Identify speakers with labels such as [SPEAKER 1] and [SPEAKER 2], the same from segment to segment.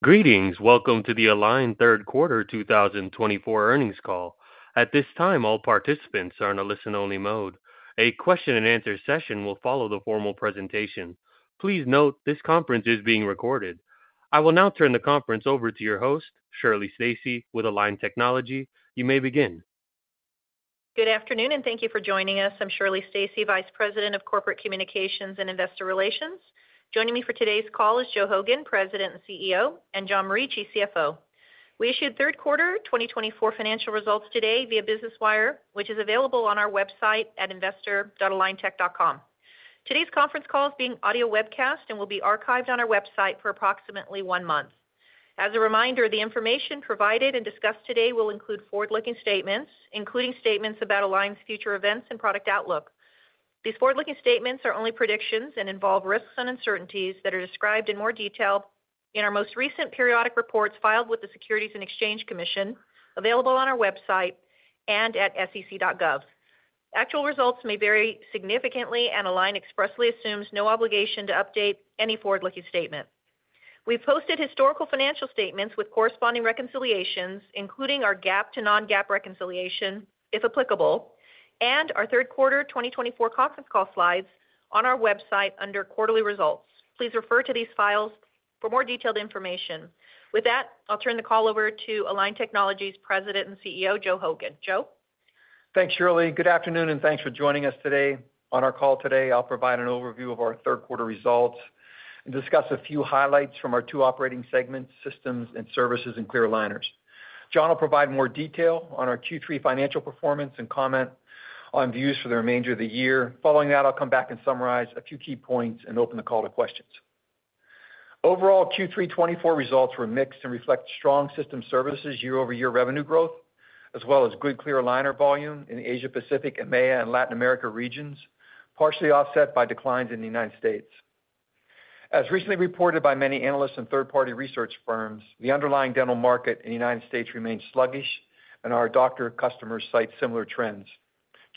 [SPEAKER 1] Greetings! Welcome to the Align third quarter 2024 earnings call. At this time, all participants are in a listen-only mode. A question-and-answer session will follow the formal presentation. Please note, this conference is being recorded. I will now turn the conference over to your host, Shirley Stacy, with Align Technology. You may begin.
[SPEAKER 2] Good afternoon, and thank you for joining us. I'm Shirley Stacy, Vice President of Corporate Communications and Investor Relations. Joining me for today's call is Joe Hogan, President and CEO, and John Morici, CFO. We issued third quarter twenty twenty-four financial results today via Business Wire, which is available on our website at investor.aligntech.com. Today's conference call is being audio webcast and will be archived on our website for approximately one month. As a reminder, the information provided and discussed today will include forward-looking statements, including statements about Align's future events and product outlook. These forward-looking statements are only predictions and involve risks and uncertainties that are described in more detail in our most recent periodic reports filed with the Securities and Exchange Commission, available on our website and at sec.gov. Actual results may vary significantly, and Align expressly assumes no obligation to update any forward-looking statement. We've posted historical financial statements with corresponding reconciliations, including our GAAP to non-GAAP reconciliation, if applicable, and our third quarter 2024 conference call slides on our website under quarterly results. Please refer to these files for more detailed information. With that, I'll turn the call over to Align Technology's President and CEO, Joe Hogan. Joe?
[SPEAKER 3] Thanks, Shirley. Good afternoon, and thanks for joining us today. On our call today, I'll provide an overview of our third quarter results and discuss a few highlights from our two operating segments, Systems and Services and Clear Aligners. John will provide more detail on our Q3 financial performance and comment on views for the remainder of the year. Following that, I'll come back and summarize a few key points and open the call to questions. Overall, Q3 twenty-four results were mixed and reflect strong Systems and Services year-over-year revenue growth, as well as good clear aligner volume in Asia Pacific, EMEA, and Latin America regions, partially offset by declines in the United States. As recently reported by many analysts and third-party research firms, the underlying dental market in the United States remains sluggish, and our doctor customers cite similar trends.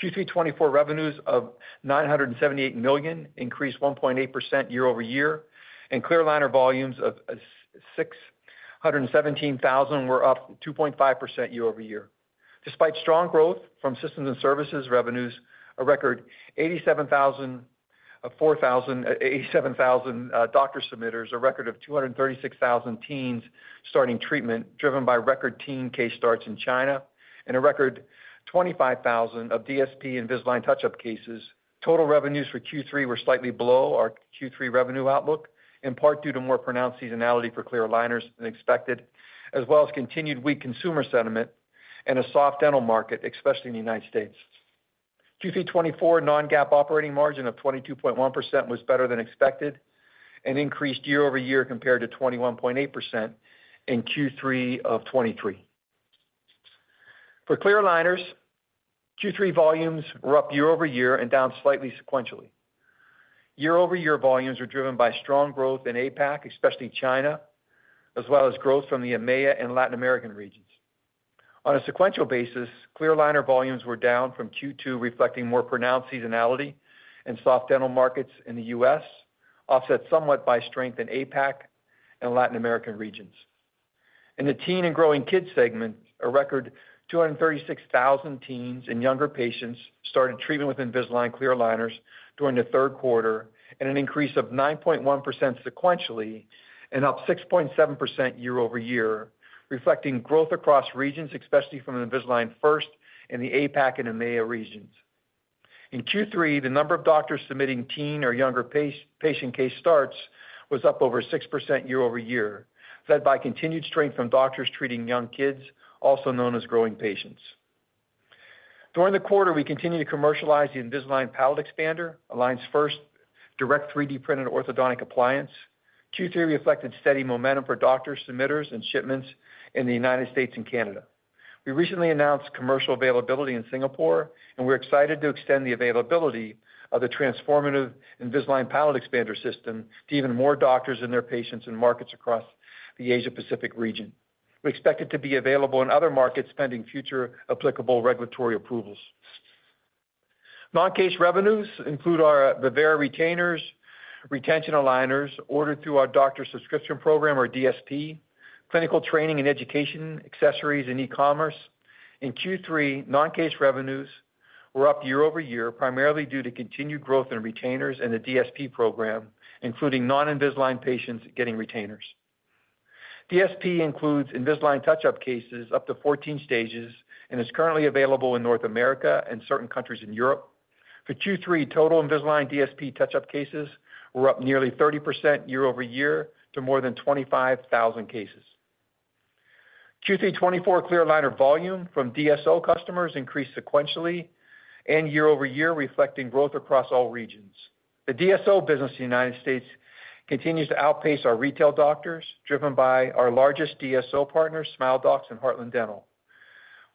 [SPEAKER 3] Q3 2024 revenues of $978 million increased 1.8% year-over-year, and clear aligner volumes of 617,000 were up 2.5% year-over-year. Despite strong growth from systems and services revenues, a record 87,000 doctor submitters, a record of 236,000 teens starting treatment, driven by record teen case starts in China, and a record 25,000 of DSP Invisalign touch-up cases. Total revenues for Q3 were slightly below our Q3 revenue outlook, in part due to more pronounced seasonality for clear aligners than expected, as well as continued weak consumer sentiment and a soft dental market, especially in the United States. Q3 2024 non-GAAP operating margin of 22.1% was better than expected and increased year-over-year compared to 21.8% in Q3 of 2023. For clear aligners, Q3 volumes were up year-over-year and down slightly sequentially. Year-over-year volumes were driven by strong growth in APAC, especially China, as well as growth from the EMEA and Latin American regions. On a sequential basis, clear aligner volumes were down from Q2, reflecting more pronounced seasonality and soft dental markets in the U.S., offset somewhat by strength in APAC and Latin American regions. In the teen and growing kids segment, a record 236,000 teens and younger patients started treatment with Invisalign clear aligners during the third quarter, at an increase of 9.1% sequentially and up 6.7% year-over-year, reflecting growth across regions, especially from the Invisalign First in the APAC and EMEA regions. In Q3, the number of doctors submitting teen or younger patient case starts was up over 6% year over year, led by continued strength from doctors treating young kids, also known as growing patients. During the quarter, we continued to commercialize the Invisalign Palate Expander, Align's first direct 3D printed orthodontic appliance. Q3 reflected steady momentum for doctor submitters and shipments in the United States and Canada. We recently announced commercial availability in Singapore, and we're excited to extend the availability of the transformative Invisalign Palate Expander system to even more doctors and their patients in markets across the Asia Pacific region. We expect it to be available in other markets, pending future applicable regulatory approvals. Non-case revenues include our Vivera retainers, retention aligners ordered through our doctor subscription program or DSP, clinical training and education, accessories, and e-commerce. In Q3, non-case revenues were up year-over-year, primarily due to continued growth in retainers and the DSP program, including non-Invisalign patients getting retainers. DSP includes Invisalign Touch-Up cases up to 14 stages and is currently available in North America and certain countries in Europe. For Q3, total Invisalign DSP Touch-Up cases were up nearly 30% year-over-year to more than 25,000 cases. Q3 2024 clear aligner volume from DSO customers increased sequentially and year-over-year, reflecting growth across all regions. The DSO business in the United States continues to outpace our retail doctors, driven by our largest DSO partners, Smiledocs and Heartland Dental.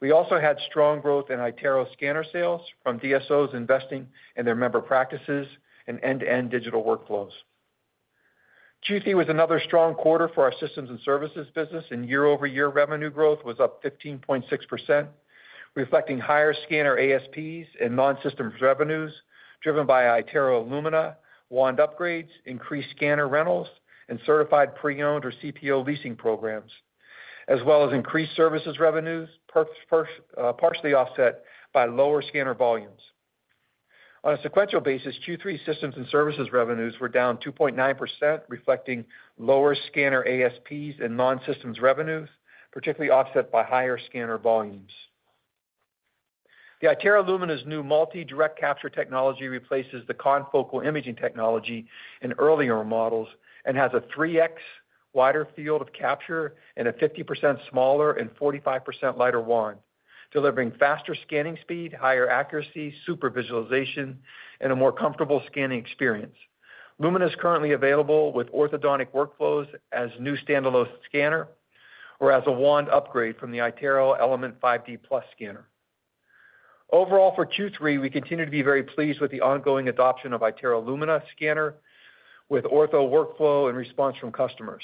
[SPEAKER 3] We also had strong growth in iTero scanner sales from DSOs investing in their member practices and end-to-end digital workflows. Q3 was another strong quarter for our systems and services business, and year-over-year revenue growth was up 15.6%, reflecting higher scanner ASPs and non-systems revenues, driven by iTero Lumina, wand upgrades, increased scanner rentals, and certified pre-owned or CPO leasing programs, as well as increased services revenues, Invisalign First, partially offset by lower scanner volumes. On a sequential basis, Q3 systems and services revenues were down 2.9%, reflecting lower scanner ASPs and non-systems revenues, partially offset by higher scanner volumes. The iTero Lumina's new Multi-Direct Capture technology replaces the confocal imaging technology in earlier models and has a 3X wider field of capture and a 50% smaller and 45% lighter wand, delivering faster scanning speed, higher accuracy, super visualization, and a more comfortable scanning experience. Lumina is currently available with orthodontic workflows as new standalone scanner or as a wand upgrade from the iTero Element 5D Plus scanner. Overall, for Q3, we continue to be very pleased with the ongoing adoption of iTero Lumina scanner with ortho workflow and response from customers.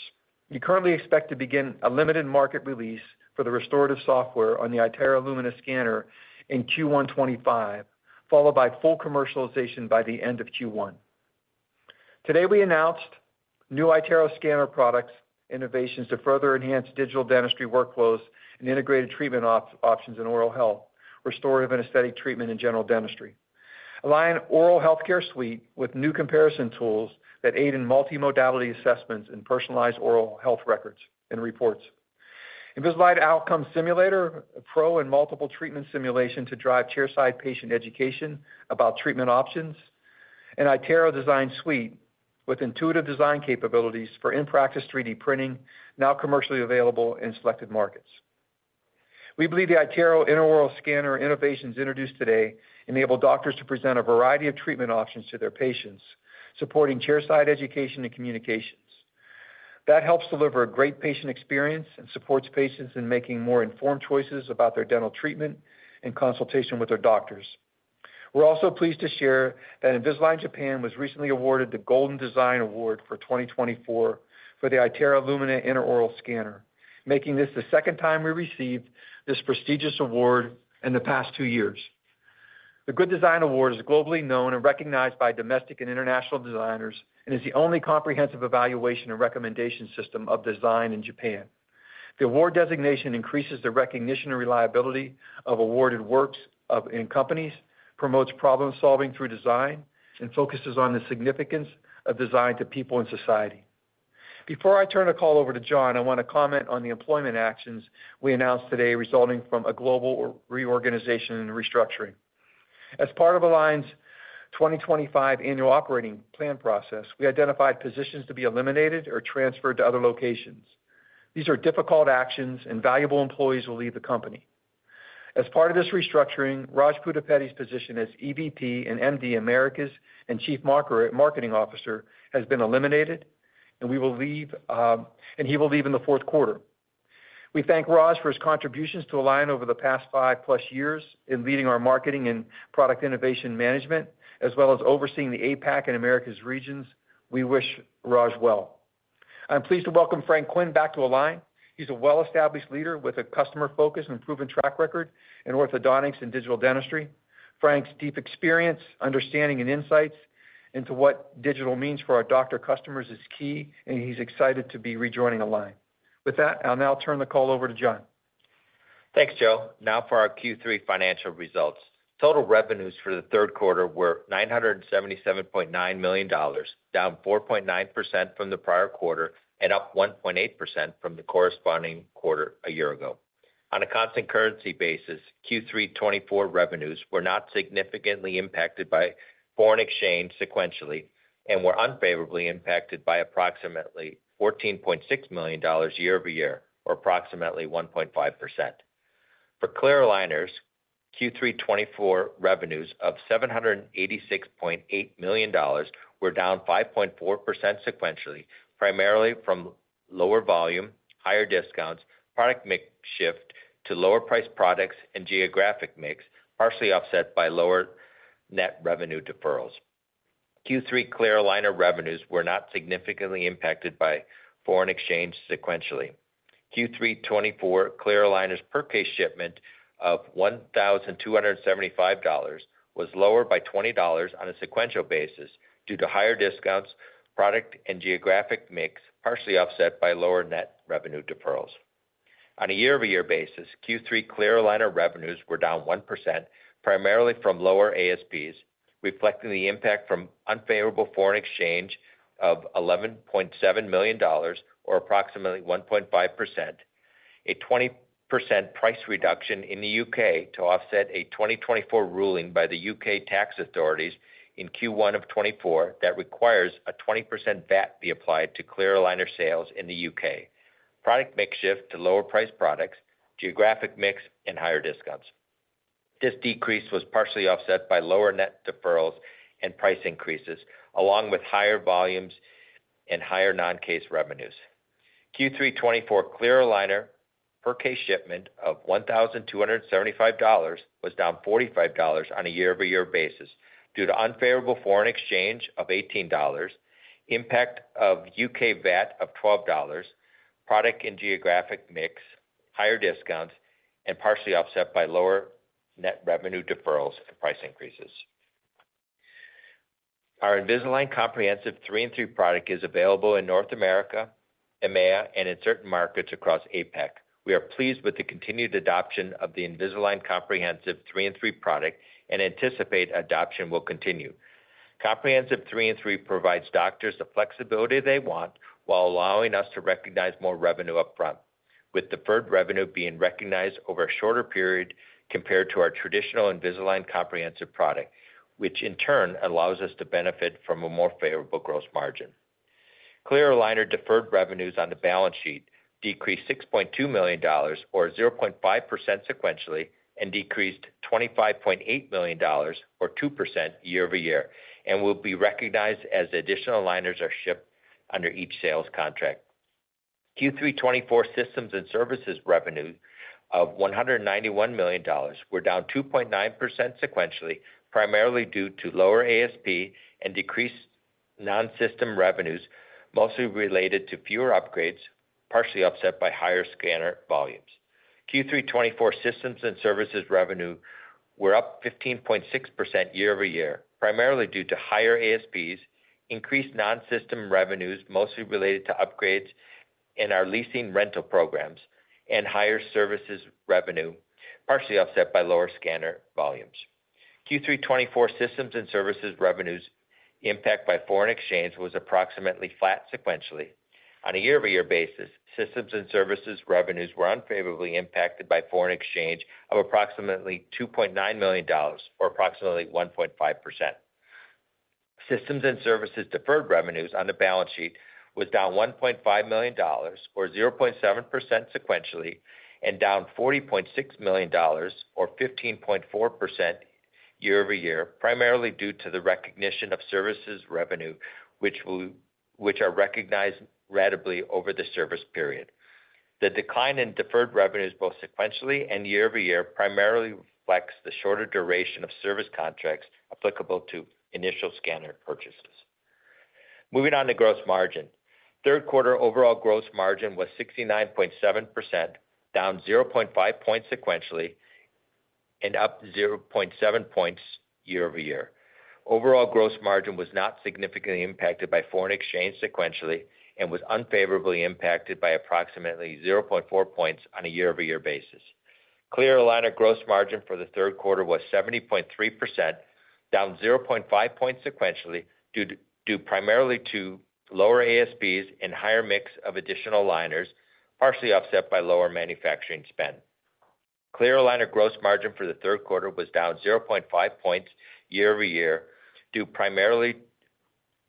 [SPEAKER 3] We currently expect to begin a limited market release for the restorative software on the iTero Lumina scanner in Q1 2025, followed by full commercialization by the end of Q1. Today, we announced new iTero scanner product innovations to further enhance digital dentistry workflows and integrated treatment options in oral health, restorative and aesthetic treatment, and general dentistry. Align Oral Health Suite with new comparison tools that aid in multimodality assessments and personalized oral health records and reports. Invisalign Outcome Simulator Pro and multiple treatment simulation to drive chairside patient education about treatment options, and iTero Design Suite with intuitive design capabilities for in-practice 3D printing, now commercially available in selected markets. We believe the iTero intraoral scanner innovations introduced today enable doctors to present a variety of treatment options to their patients, supporting chairside education and communications. That helps deliver a great patient experience and supports patients in making more informed choices about their dental treatment in consultation with their doctors. We're also pleased to share that Invisalign Japan was recently awarded the Good Design Award for 2024 for the iTero Lumina intraoral scanner, making this the second time we received this prestigious award in the past two years. The Good Design Award is globally known and recognized by domestic and international designers, and is the only comprehensive evaluation and recommendation system of design in Japan. The award designation increases the recognition and reliability of awarded works in companies, promotes problem-solving through design, and focuses on the significance of design to people in society. Before I turn the call over to John, I want to comment on the employment actions we announced today, resulting from a global reorganization and restructuring. As part of Align's 2025 annual operating plan process, we identified positions to be eliminated or transferred to other locations. These are difficult actions, and valuable employees will leave the company. As part of this restructuring, Raj Pudipeddi's position as EVP and MD, Americas and Chief Marketing Officer has been eliminated, and he will leave in the fourth quarter. We thank Raj for his contributions to Align over the past five plus years in leading our marketing and product innovation management, as well as overseeing the APAC and Americas regions. We wish Raj well. I'm pleased to welcome Frank Quinn back to Align. He's a well-established leader with a customer focus and proven track record in orthodontics and digital dentistry. Frank's deep experience, understanding, and insights into what digital means for our doctor customers is key, and he's excited to be rejoining Align. With that, I'll now turn the call over to John.
[SPEAKER 4] Thanks, Joe. Now for our Q3 financial results. Total revenues for the third quarter were $977.9 million, down 4.9% from the prior quarter and up 1.8% from the corresponding quarter a year ago. On a constant currency basis, Q3 twenty-four revenues were not significantly impacted by foreign exchange sequentially and were unfavorably impacted by approximately $14.6 million year-over-year, or approximately 1.5%. For clear aligners, Q3 twenty-four revenues of $786.8 million were down 5.4% sequentially, primarily from lower volume, higher discounts, product mix shift to lower priced products, and geographic mix, partially offset by lower net revenue deferrals. Q3 clear aligner revenues were not significantly impacted by foreign exchange sequentially. Q3 2024 clear aligners per case shipment of $1,275 was lower by $20 on a sequential basis due to higher discounts, product and geographic mix, partially offset by lower net revenue deferrals. On a year-over-year basis, Q3 clear aligner revenues were down 1%, primarily from lower ASPs, reflecting the impact from unfavorable foreign exchange of $11.7 million, or approximately 1.5%, a 20% price reduction in the U.K. to offset a 2024 ruling by the U.K. tax authorities in Q1 of 2024 that requires a 20% VAT be applied to clear aligner sales in the U.K. Product mix shift to lower priced products, geographic mix, and higher discounts. This decrease was partially offset by lower net deferrals and price increases, along with higher volumes and higher non-case revenues.... Q3 2024 clear aligner per case shipment of $1,275 was down $45 on a year-over-year basis due to unfavorable foreign exchange of $18, impact of U.K. VAT of $12, product and geographic mix, higher discounts, and partially offset by lower net revenue deferrals and price increases. Our Invisalign Comprehensive 3-and-3 product is available in North America, EMEA, and in certain markets across APAC. We are pleased with the continued adoption of the Invisalign Comprehensive 3-and-3 product and anticipate adoption will continue. Comprehensive 3-and-3 provides doctors the flexibility they want while allowing us to recognize more revenue upfront, with deferred revenue being recognized over a shorter period compared to our traditional Invisalign Comprehensive product, which in turn allows us to benefit from a more favorable gross margin. Clear aligner deferred revenues on the balance sheet decreased $6.2 million, or 0.5% sequentially, and decreased $25.8 million, or 2%, year-over-year, and will be recognized as additional aligners are shipped under each sales contract. Q3 '24 systems and services revenue of $191 million were down 2.9% sequentially, primarily due to lower ASP and decreased non-system revenues, mostly related to fewer upgrades, partially offset by higher scanner volumes. Q3 '24 systems and services revenue were up 15.6% year-over-year, primarily due to higher ASPs, increased non-system revenues, mostly related to upgrades in our leasing rental programs, and higher services revenue, partially offset by lower scanner volumes. Q3 '24 systems and services revenues impact by foreign exchange was approximately flat sequentially. On a year-over-year basis, Systems and Services revenues were unfavorably impacted by foreign exchange of approximately $2.9 million, or approximately 1.5%. Systems and Services deferred revenues on the balance sheet was down $1.5 million, or 0.7% sequentially, and down $40.6 million, or 15.4%, year-over-year, primarily due to the recognition of services revenue, which are recognized ratably over the service period. The decline in deferred revenues, both sequentially and year-over-year, primarily reflects the shorter duration of service contracts applicable to initial scanner purchases. Moving on to gross margin. Third quarter overall gross margin was 69.7%, down 0.5 points sequentially and up 0.7 points year-over-year. Overall gross margin was not significantly impacted by foreign exchange sequentially and was unfavorably impacted by approximately 0.4 points on a year-over-year basis. Clear aligner gross margin for the third quarter was 70.3%, down 0.5 points sequentially, due primarily to lower ASPs and higher mix of additional aligners, partially offset by lower manufacturing spend. Clear aligner gross margin for the third quarter was down 0.5 points year-over-year, due primarily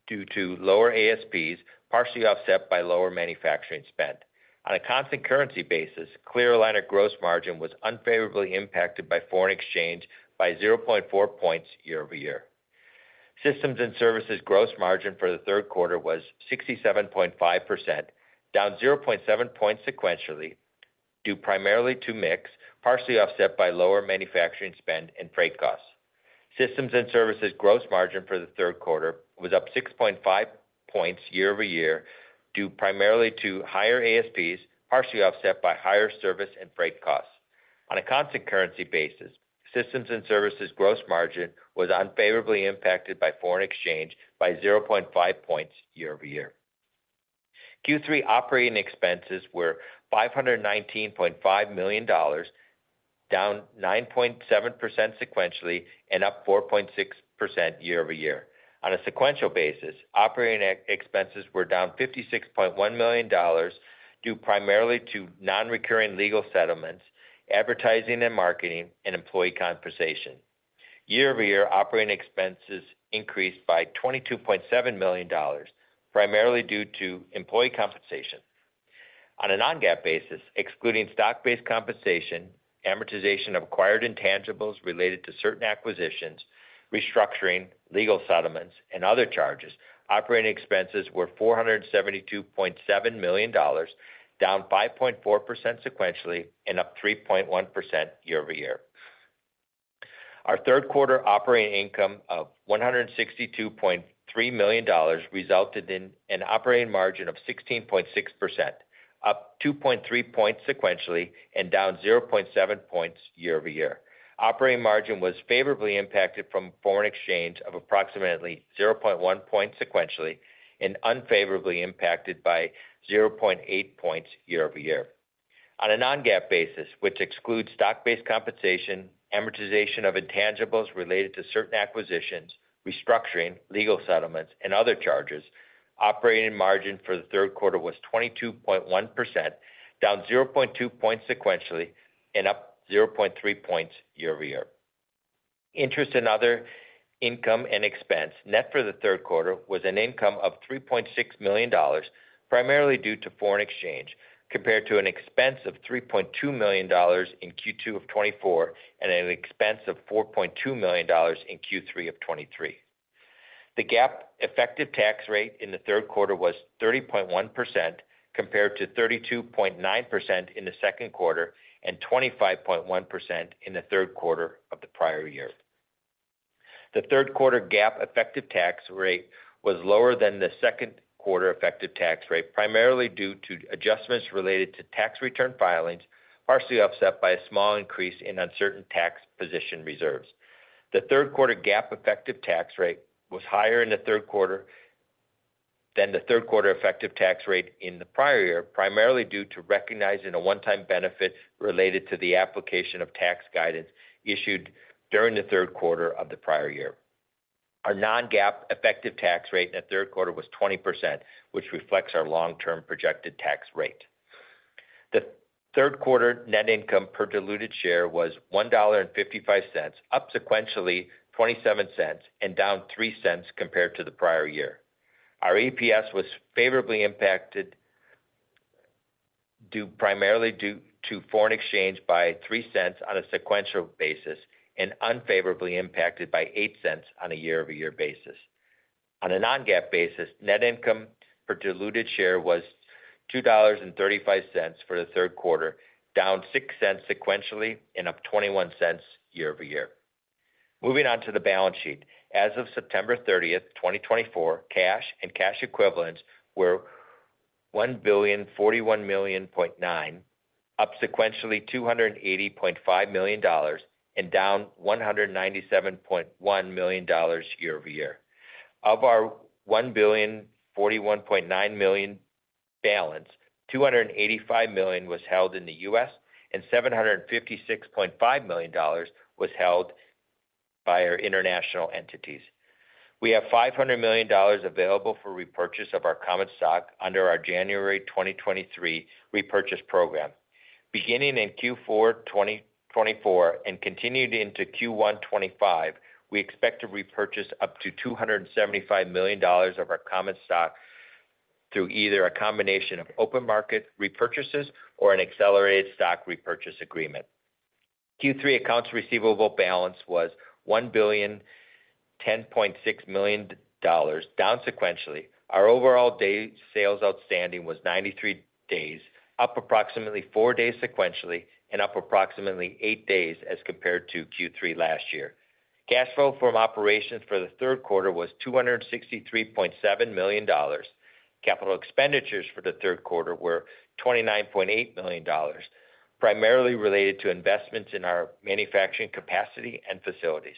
[SPEAKER 4] to lower ASPs, partially offset by lower manufacturing spend. On a constant currency basis, clear aligner gross margin was unfavorably impacted by foreign exchange by 0.4 points year-over-year. Systems and services gross margin for the third quarter was 67.5%, down 0.7 points sequentially, due primarily to mix, partially offset by lower manufacturing spend and freight costs. Systems and services gross margin for the third quarter was up 6.5 points year-over-year, due primarily to higher ASPs, partially offset by higher service and freight costs. On a constant currency basis, systems and services gross margin was unfavorably impacted by foreign exchange by 0.5 points year-over-year. Q3 operating expenses were $519.5 million, down 9.7% sequentially and up 4.6% year-over-year. On a sequential basis, operating expenses were down $56.1 million, due primarily to non-recurring legal settlements, advertising and marketing, and employee compensation. Year-over-year, operating expenses increased by $22.7 million, primarily due to employee compensation. On a non-GAAP basis, excluding stock-based compensation, amortization of acquired intangibles related to certain acquisitions, restructuring, legal settlements, and other charges, operating expenses were $472.7 million, down 5.4% sequentially and up 3.1% year-over-year. Our third quarter operating income of $162.3 million resulted in an operating margin of 16.6%, up 2.3 points sequentially and down 0.7 points year-over-year. Operating margin was favorably impacted from foreign exchange of approximately 0.1 point sequentially and unfavorably impacted by 0.8 points year-over-year. On a non-GAAP basis, which excludes stock-based compensation, amortization of intangibles related to certain acquisitions, restructuring, legal settlements, and other charges, operating margin for the third quarter was 22.1%, down 0.2 points sequentially and up 0.3 points year-over-year. Interest and other income and expense, net for the third quarter, was an income of $3.6 million, primarily due to foreign exchange, compared to an expense of $3.2 million in Q2 of 2024 and an expense of $4.2 million in Q3 of 2023. The GAAP effective tax rate in the third quarter was 30.1%, compared to 32.9% in the second quarter and 25.1% in the third quarter of the prior year. The third quarter GAAP effective tax rate was lower than the second quarter effective tax rate, primarily due to adjustments related to tax return filings, partially offset by a small increase in uncertain tax position reserves. The third quarter GAAP effective tax rate was higher in the third quarter than the third quarter effective tax rate in the prior year, primarily due to recognizing a one-time benefit related to the application of tax guidance issued during the third quarter of the prior year. Our non-GAAP effective tax rate in the third quarter was 20%, which reflects our long-term projected tax rate. The third quarter net income per diluted share was $1.55, up sequentially $0.27, and down $0.03 compared to the prior year. Our EPS was favorably impacted due primarily to foreign exchange by $0.03 on a sequential basis and unfavorably impacted by $0.08 on a year-over-year basis. On a non-GAAP basis, net income per diluted share was $2.35 for the third quarter, down $0.06 sequentially and up $0.21 year-over-year. Moving on to the balance sheet. As of September 30, 2024, cash and cash equivalents were $1.041 billion, up sequentially $280.5 million and down $197.1 million year-over-year. Of our $1.041 billion balance, $285 million was held in the U.S., and $756.5 million was held by our international entities. We have $500 million available for repurchase of our common stock under our January 2023 repurchase program. Beginning in Q4 2024 and continued into Q1 2025, we expect to repurchase up to $275 million of our common stock through either a combination of open market repurchases or an accelerated stock repurchase agreement. Q3 accounts receivable balance was $1.0106 billion, down sequentially. Our overall days sales outstanding was 93 days, up approximately four days sequentially and up approximately eight days as compared to Q3 last year. Cash flow from operations for the third quarter was $263.7 million. Capital expenditures for the third quarter were $29.8 million, primarily related to investments in our manufacturing capacity and facilities.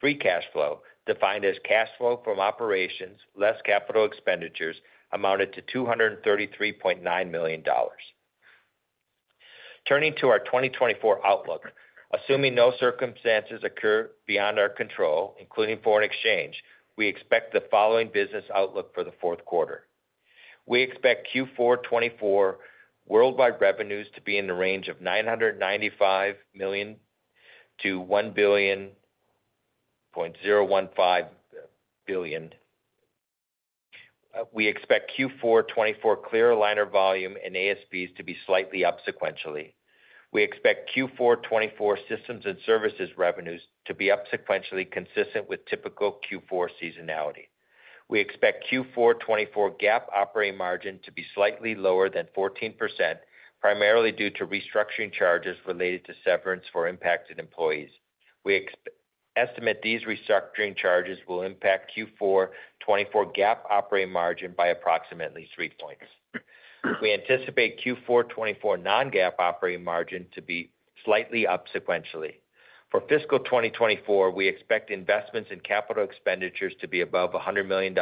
[SPEAKER 4] Free cash flow, defined as cash flow from operations, less capital expenditures, amounted to $233.9 million. Turning to our 2024 outlook, assuming no circumstances occur beyond our control, including foreign exchange, we expect the following business outlook for the fourth quarter. We expect Q4 2024 worldwide revenues to be in the range of $995 million-$1.015 billion. We expect Q4 twenty-four clear aligner volume and ASPs to be slightly up sequentially. We expect Q4 twenty-four systems and services revenues to be up sequentially, consistent with typical Q4 seasonality. We expect Q4 twenty-four GAAP operating margin to be slightly lower than 14%, primarily due to restructuring charges related to severance for impacted employees. We estimate these restructuring charges will impact Q4 twenty-four GAAP operating margin by approximately three points. We anticipate Q4 twenty-four non-GAAP operating margin to be slightly up sequentially. For fiscal 2024, we expect investments in capital expenditures to be above $100 million.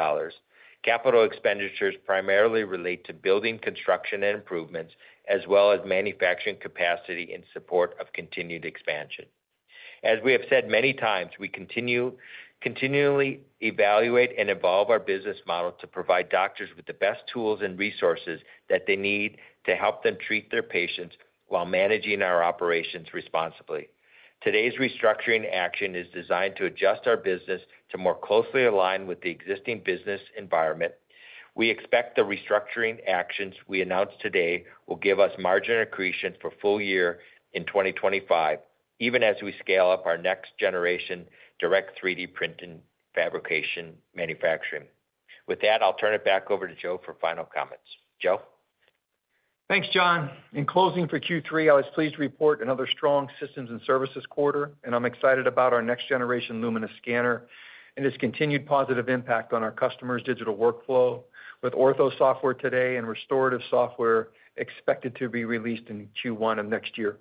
[SPEAKER 4] Capital expenditures primarily relate to building construction and improvements, as well as manufacturing capacity in support of continued expansion. As we have said many times, we continually evaluate and evolve our business model to provide doctors with the best tools and resources that they need to help them treat their patients while managing our operations responsibly. Today's restructuring action is designed to adjust our business to more closely align with the existing business environment. We expect the restructuring actions we announced today will give us margin accretion for full year in 2025, even as we scale up our next-generation direct 3D printing fabrication manufacturing. With that, I'll turn it back over to Joe for final comments. Joe?
[SPEAKER 3] Thanks, John. In closing for Q3, I was pleased to report another strong systems and services quarter, and I'm excited about our next generation Lumina scanner and its continued positive impact on our customers' digital workflow with ortho software today and restorative software expected to be released in Q1 of next year.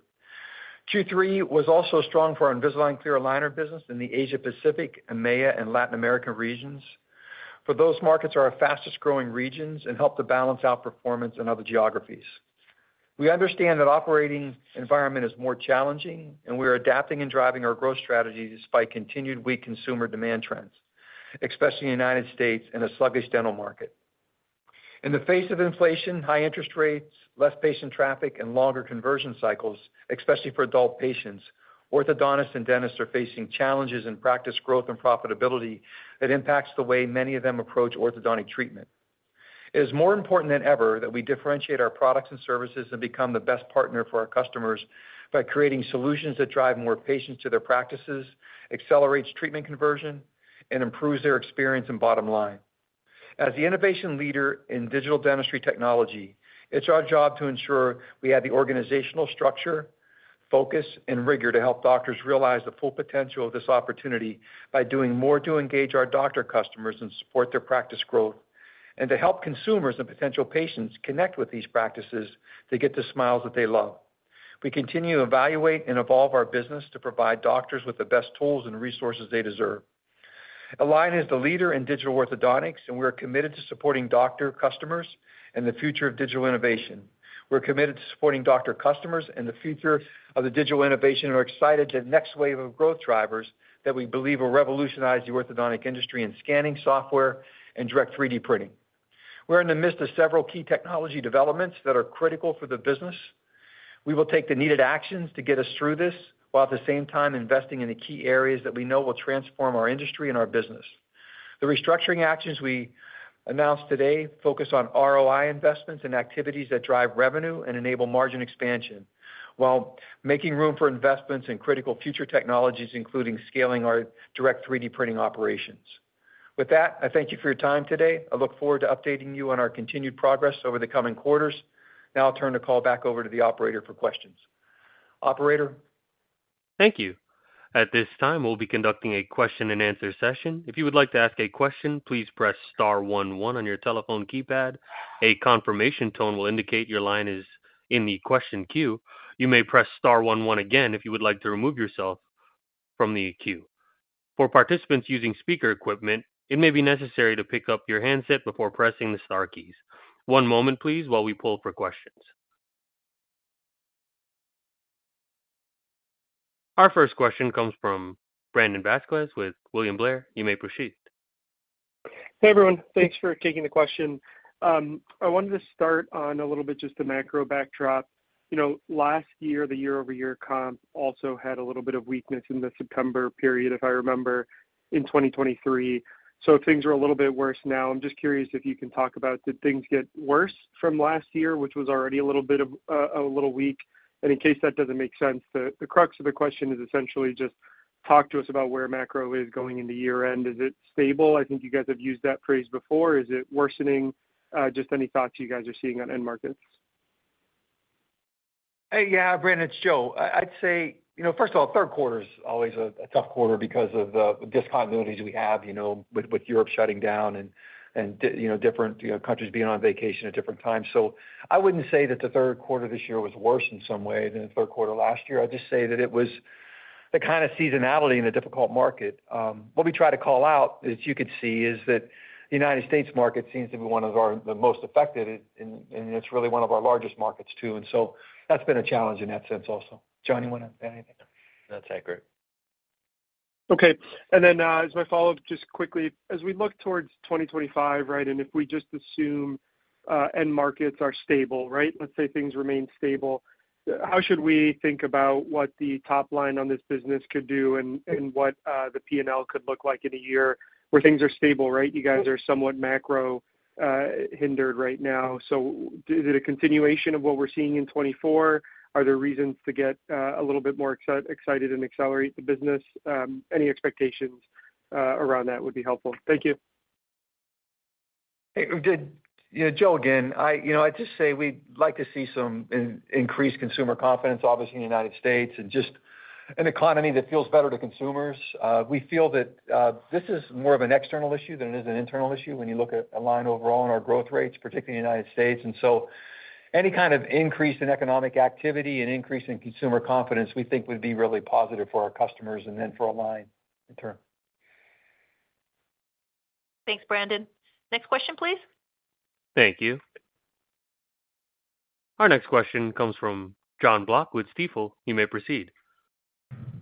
[SPEAKER 3] Q3 was also strong for our Invisalign clear aligner business in the Asia Pacific, EMEA, and Latin America regions, for those markets are our fastest growing regions and help to balance out performance in other geographies. We understand that operating environment is more challenging, and we're adapting and driving our growth strategies despite continued weak consumer demand trends, especially in the United States and a sluggish dental market. In the face of inflation, high interest rates, less patient traffic, and longer conversion cycles, especially for adult patients, orthodontists and dentists are facing challenges in practice growth and profitability that impacts the way many of them approach orthodontic treatment. It is more important than ever that we differentiate our products and services and become the best partner for our customers by creating solutions that drive more patients to their practices, accelerates treatment conversion, and improves their experience and bottom line. As the innovation leader in digital dentistry technology, it's our job to ensure we have the organizational structure, focus, and rigor to help doctors realize the full potential of this opportunity by doing more to engage our doctor customers and support their practice growth, and to help consumers and potential patients connect with these practices to get the smiles that they love. We continue to evaluate and evolve our business to provide doctors with the best tools and resources they deserve. Align is the leader in digital orthodontics, and we're committed to supporting doctor customers and the future of digital innovation. We're committed to supporting doctor customers and the future of the digital innovation, and we're excited the next wave of growth drivers that we believe will revolutionize the orthodontic industry in scanning software and direct 3D printing. We're in the midst of several key technology developments that are critical for the business. We will take the needed actions to get us through this, while at the same time investing in the key areas that we know will transform our industry and our business. The restructuring actions we announced today focus on ROI investments and activities that drive revenue and enable margin expansion, while making room for investments in critical future technologies, including scaling our direct 3D printing operations. With that, I thank you for your time today. I look forward to updating you on our continued progress over the coming quarters. Now I'll turn the call back over to the operator for questions. Operator?
[SPEAKER 1] Thank you. At this time, we'll be conducting a question-and-answer session. If you would like to ask a question, please press star one one on your telephone keypad. A confirmation tone will indicate your line is in the question queue. You may press star one one again if you would like to remove yourself from the queue. For participants using speaker equipment, it may be necessary to pick up your handset before pressing the star keys. One moment, please, while we pull for questions. Our first question comes from Brandon Vazquez with William Blair. You may proceed.
[SPEAKER 5] Hey, everyone. Thanks for taking the question. I wanted to start on a little bit just the macro backdrop. You know, last year, the year-over-year comp also had a little bit of weakness in the September period, if I remember, in 2023. So things are a little bit worse now. I'm just curious if you can talk about, did things get worse from last year, which was already a little bit of a little weak? And in case that doesn't make sense, the crux of the question is essentially just talk to us about where macro is going into year-end. Is it stable? I think you guys have used that phrase before. Is it worsening? Just any thoughts you guys are seeing on end markets.
[SPEAKER 3] Hey, yeah, Brandon, it's Joe. I'd say, you know, first of all, third quarter is always a tough quarter because of the discontinuities we have, you know, with Europe shutting down and, you know, different countries being on vacation at different times. So I wouldn't say that the third quarter this year was worse in some way than the third quarter last year. I'd just say that it was the kind of seasonality in a difficult market. What we try to call out, as you could see, is that the United States market seems to be one of the most affected, and it's really one of our largest markets, too. And so that's been a challenge in that sense also. John, you want to add anything?
[SPEAKER 4] No, I agree.
[SPEAKER 5] Okay. And then, as my follow-up, just quickly, as we look towards 2025, right? And if we just assume, end markets are stable, right? Let's say things remain stable, how should we think about what the top line on this business could do and what the PNL could look like in a year where things are stable, right? You guys are somewhat macro hindered right now. So is it a continuation of what we're seeing in 2024? Are there reasons to get a little bit more excited and accelerate the business? Any expectations around that would be helpful. Thank you.
[SPEAKER 3] Hey, good. You know, Joe, again, I... You know, I'd just say we'd like to see some increased consumer confidence, obviously, in the United States and just an economy that feels better to consumers. We feel that this is more of an external issue than it is an internal issue when you look at Align overall and our growth rates, particularly in the United States. And so any kind of increase in economic activity and increase in consumer confidence, we think would be really positive for our customers and then for Align in turn.
[SPEAKER 2] Thanks, Brandon. Next question, please.
[SPEAKER 1] Thank you. Our next question comes from Jon Block with Stifel. You may proceed.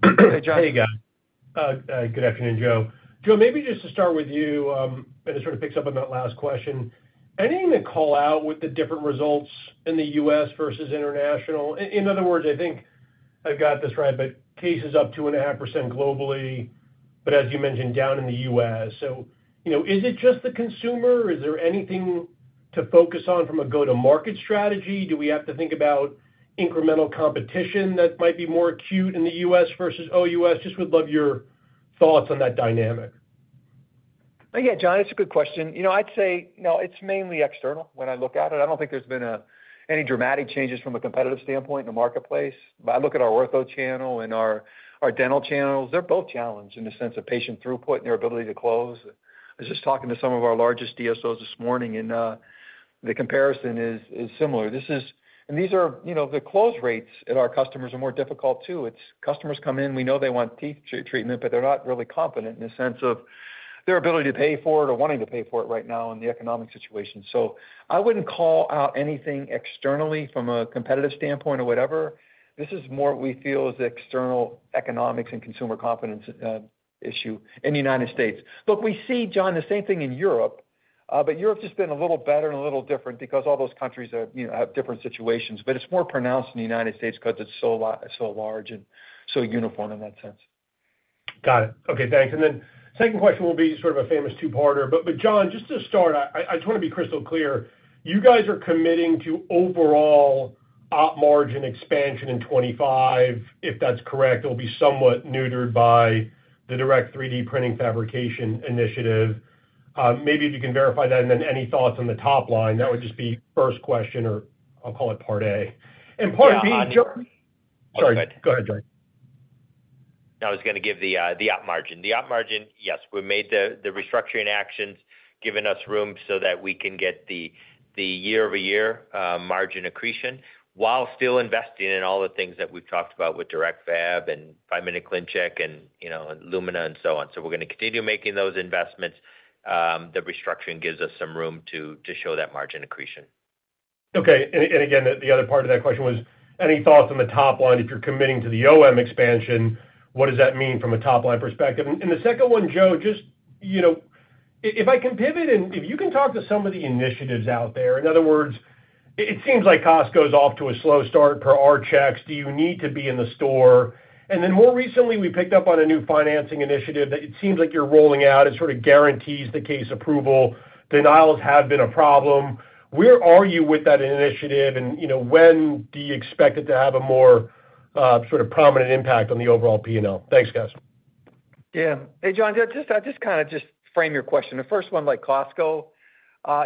[SPEAKER 1] John.
[SPEAKER 3] Hey, guys.
[SPEAKER 6] Good afternoon, Joe. Joe, maybe just to start with you, and it sort of picks up on that last question. Anything to call out with the different results in the U.S. versus international? In other words, I think I've got this right, but cases are up 2.5% globally, but as you mentioned, down in the U.S. So, you know, is it just the consumer, or is there anything to focus on from a go-to-market strategy? Do we have to think about incremental competition that might be more acute in the U.S. versus OUS? Just would love your thoughts on that dynamic.
[SPEAKER 3] Yeah, John, it's a good question. You know, I'd say, you know, it's mainly external when I look at it. I don't think there's been any dramatic changes from a competitive standpoint in the marketplace. But I look at our ortho channel and our dental channels, they're both challenged in the sense of patient throughput and their ability to close. I was just talking to some of our largest DSOs this morning, and the comparison is similar. And these are, you know, the close rates at our customers are more difficult, too. It's customers come in, we know they want teeth treatment, but they're not really confident in the sense of their ability to pay for it or wanting to pay for it right now in the economic situation. So I wouldn't call out anything externally from a competitive standpoint or whatever. This is more we feel is the external economics and consumer confidence issue in the United States. Look, we see, John, the same thing in Europe, but Europe's just been a little better and a little different because all those countries are, you know, have different situations. But it's more pronounced in the United States because it's so large and so uniform in that sense....
[SPEAKER 6] Got it. Okay, thanks. And then second question will be sort of a famous two-parter. But John, just to start, I just want to be crystal clear, you guys are committing to overall op margin expansion in twenty-five. If that's correct, it'll be somewhat neutered by the direct 3D printing fabrication initiative. Maybe if you can verify that, and then any thoughts on the top line? That would just be first question, or I'll call it part A. And part B-
[SPEAKER 4] Yeah, on-
[SPEAKER 6] Sorry, go ahead, John.
[SPEAKER 4] No, I was going to give the, the op margin. The op margin, yes, we made the, the restructuring actions, giving us room so that we can get the, the year-over-year, margin accretion, while still investing in all the things that we've talked about with Direct Fab and five-minute ClinCheck and, you know, Lumina and so on. So we're going to continue making those investments. The restructuring gives us some room to, to show that margin accretion.
[SPEAKER 6] Okay. And again, the other part of that question was, any thoughts on the top line if you're committing to the OM expansion, what does that mean from a top-line perspective? And the second one, Joe, just, you know, if I can pivot, and if you can talk to some of the initiatives out there. In other words, it seems like Costco's off to a slow start per our checks. Do you need to be in the store? And then more recently, we picked up on a new financing initiative that it seems like you're rolling out. It sort of guarantees the case approval. Denials have been a problem. Where are you with that initiative? And, you know, when do you expect it to have a more sort of prominent impact on the overall P&L? Thanks, guys.
[SPEAKER 3] Yeah. Hey, John, just kind of frame your question. The first one, like Costco,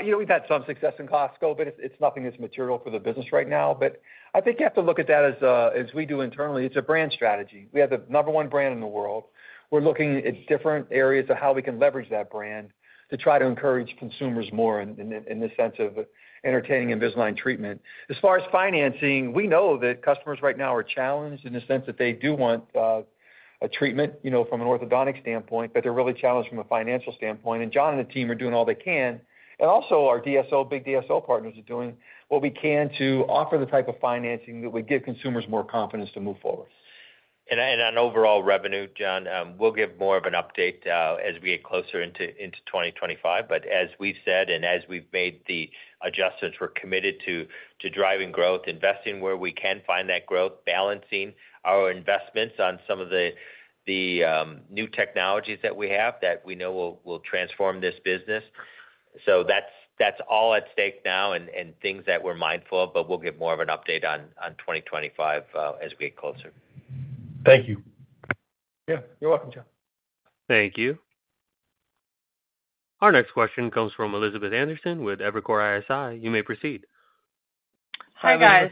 [SPEAKER 3] you know, we've had some success in Costco, but it's nothing that's material for the business right now. But I think you have to look at that as we do internally. It's a brand strategy. We have the number one brand in the world. We're looking at different areas of how we can leverage that brand to try to encourage consumers more in the sense of entertaining Invisalign treatment. As far as financing, we know that customers right now are challenged in the sense that they do want a treatment, you know, from an orthodontic standpoint, but they're really challenged from a financial standpoint, and John and the team are doing all they can. Also our DSO, big DSO partners are doing what we can to offer the type of financing that would give consumers more confidence to move forward.
[SPEAKER 4] And on overall revenue, John, we'll give more of an update as we get closer into 2025. But as we've said, and as we've made the adjustments, we're committed to driving growth, investing where we can find that growth, balancing our investments on some of the new technologies that we have that we know will transform this business. So that's all at stake now and things that we're mindful of, but we'll give more of an update on 2025 as we get closer.
[SPEAKER 6] Thank you.
[SPEAKER 3] Yeah. You're welcome, John.
[SPEAKER 1] Thank you. Our next question comes from Elizabeth Anderson with Evercore ISI. You may proceed.
[SPEAKER 7] Hi, guys.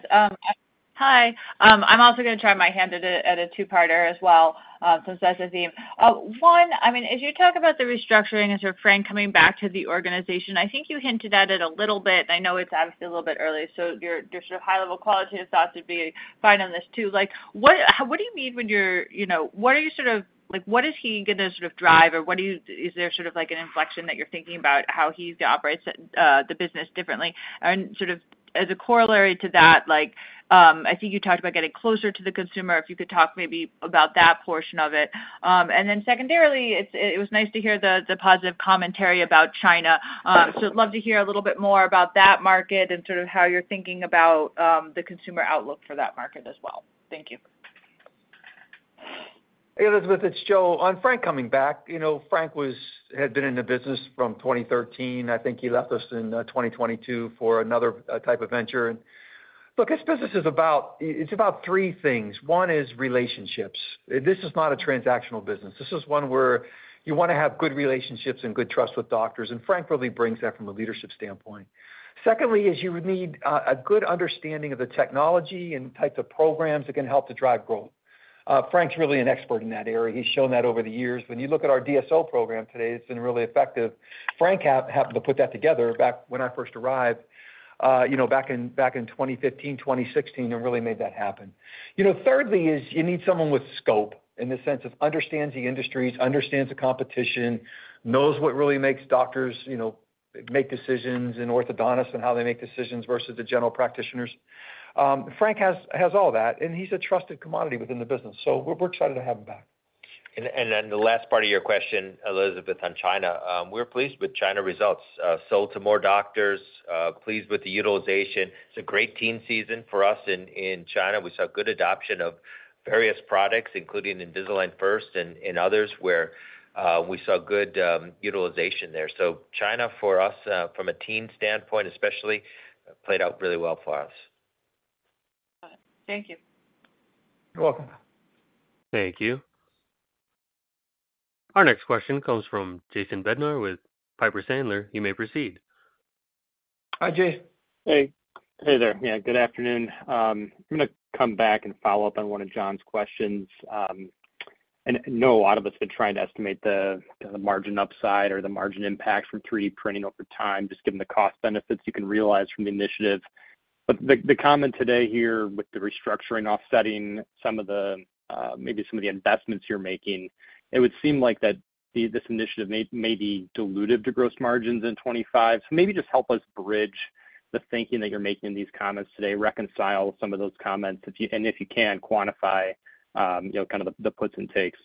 [SPEAKER 7] Hi. I'm also going to try my hand at a two-parter as well, since that's the theme. One, I mean, as you talk about the restructuring and sort of Frank coming back to the organization, I think you hinted at it a little bit, and I know it's obviously a little bit early, so your sort of high-level qualitative thoughts would be fine on this, too. Like, what do you mean when you're, you know, what are you sort of, like, what is he going to sort of drive or what is, is there sort of like an inflection that you're thinking about how he's operates the business differently? And sort of as a corollary to that, like, I think you talked about getting closer to the consumer, if you could talk maybe about that portion of it. And then secondarily, it was nice to hear the positive commentary about China. So I'd love to hear a little bit more about that market and sort of how you're thinking about the consumer outlook for that market as well. Thank you.
[SPEAKER 3] Hey, Elizabeth, it's Joe. On Frank coming back, you know, Frank had been in the business from 2013. I think he left us in 2022 for another type of venture. And look, this business is about, it's about three things. One is relationships. This is not a transactional business. This is one where you want to have good relationships and good trust with doctors, and Frank really brings that from a leadership standpoint. Secondly, you would need a good understanding of the technology and types of programs that can help to drive growth. Frank's really an expert in that area. He's shown that over the years. When you look at our DSO program today, it's been really effective. Frank happened to put that together back when I first arrived, you know, back in 2015, 2016, and really made that happen. You know, thirdly is you need someone with scope in the sense of understands the industries, understands the competition, knows what really makes doctors, you know, make decisions, and orthodontists and how they make decisions versus the general practitioners. Frank has all that, and he's a trusted commodity within the business, so we're excited to have him back.
[SPEAKER 4] Then the last part of your question, Elizabeth, on China. We're pleased with China results. Sold to more doctors, pleased with the utilization. It's a great teen season for us in China. We saw good adoption of various products, including Invisalign First and others, where we saw good utilization there. So China, for us, from a teen standpoint, especially, played out really well for us.
[SPEAKER 7] Got it. Thank you.
[SPEAKER 3] You're welcome.
[SPEAKER 1] Thank you. Our next question comes from Jason Bednar with Piper Sandler. You may proceed.
[SPEAKER 3] Hi, Jay.
[SPEAKER 8] Hey, hey there. Yeah, good afternoon. I'm gonna come back and follow up on one of John's questions, and I know a lot of us have been trying to estimate the margin upside or the margin impact from 3D printing over time, just given the cost benefits you can realize from the initiative. But the comment today here with the restructuring offsetting some of the maybe some of the investments you're making, it would seem like that this initiative may be dilutive to gross margins in 2025. So maybe just help us bridge the thinking that you're making in these comments today, reconcile some of those comments, and if you can, quantify kind of the puts and takes....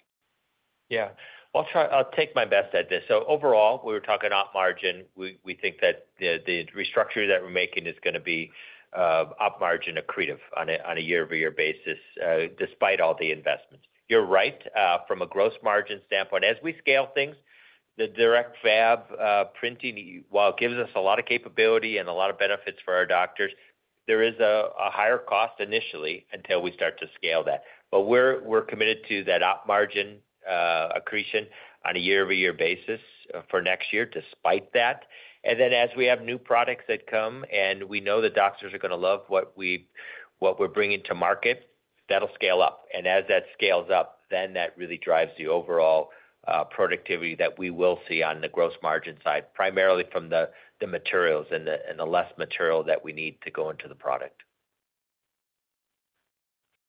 [SPEAKER 4] Yeah. Well, I'll try, I'll take my best at this. So overall, we were talking op margin. We think that the restructuring that we're making is gonna be op margin accretive on a year-over-year basis, despite all the investments. You're right, from a gross margin standpoint, as we scale things, the direct fab printing, while it gives us a lot of capability and a lot of benefits for our doctors, there is a higher cost initially until we start to scale that. But we're committed to that op margin accretion on a year-over-year basis for next year, despite that. And then as we have new products that come, and we know the doctors are gonna love what we're bringing to market, that'll scale up. As that scales up, then that really drives the overall productivity that we will see on the gross margin side, primarily from the materials and the less material that we need to go into the product.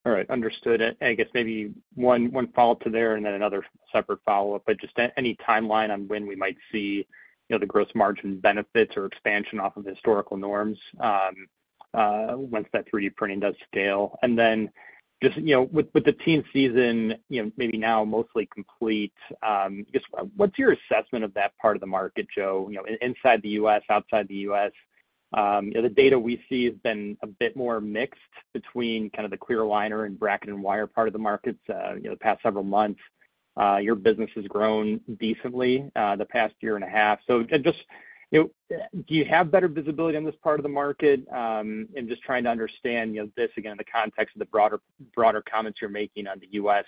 [SPEAKER 8] All right, understood. And I guess maybe one, one follow-up to there and then another separate follow-up. But just any timeline on when we might see, you know, the gross margin benefits or expansion off of historical norms, once that 3D printing does scale? And then just, you know, with, with the teen season, you know, maybe now mostly complete, just what's your assessment of that part of the market, Joe? You know, inside the US, outside the US. You know, the data we see has been a bit more mixed between kind of the clear aligner and bracket and wire part of the markets. You know, the past several months, your business has grown decently, the past year and a half. So just, you know, do you have better visibility on this part of the market? And just trying to understand, you know, this, again, in the context of the broader comments you're making on the U.S.,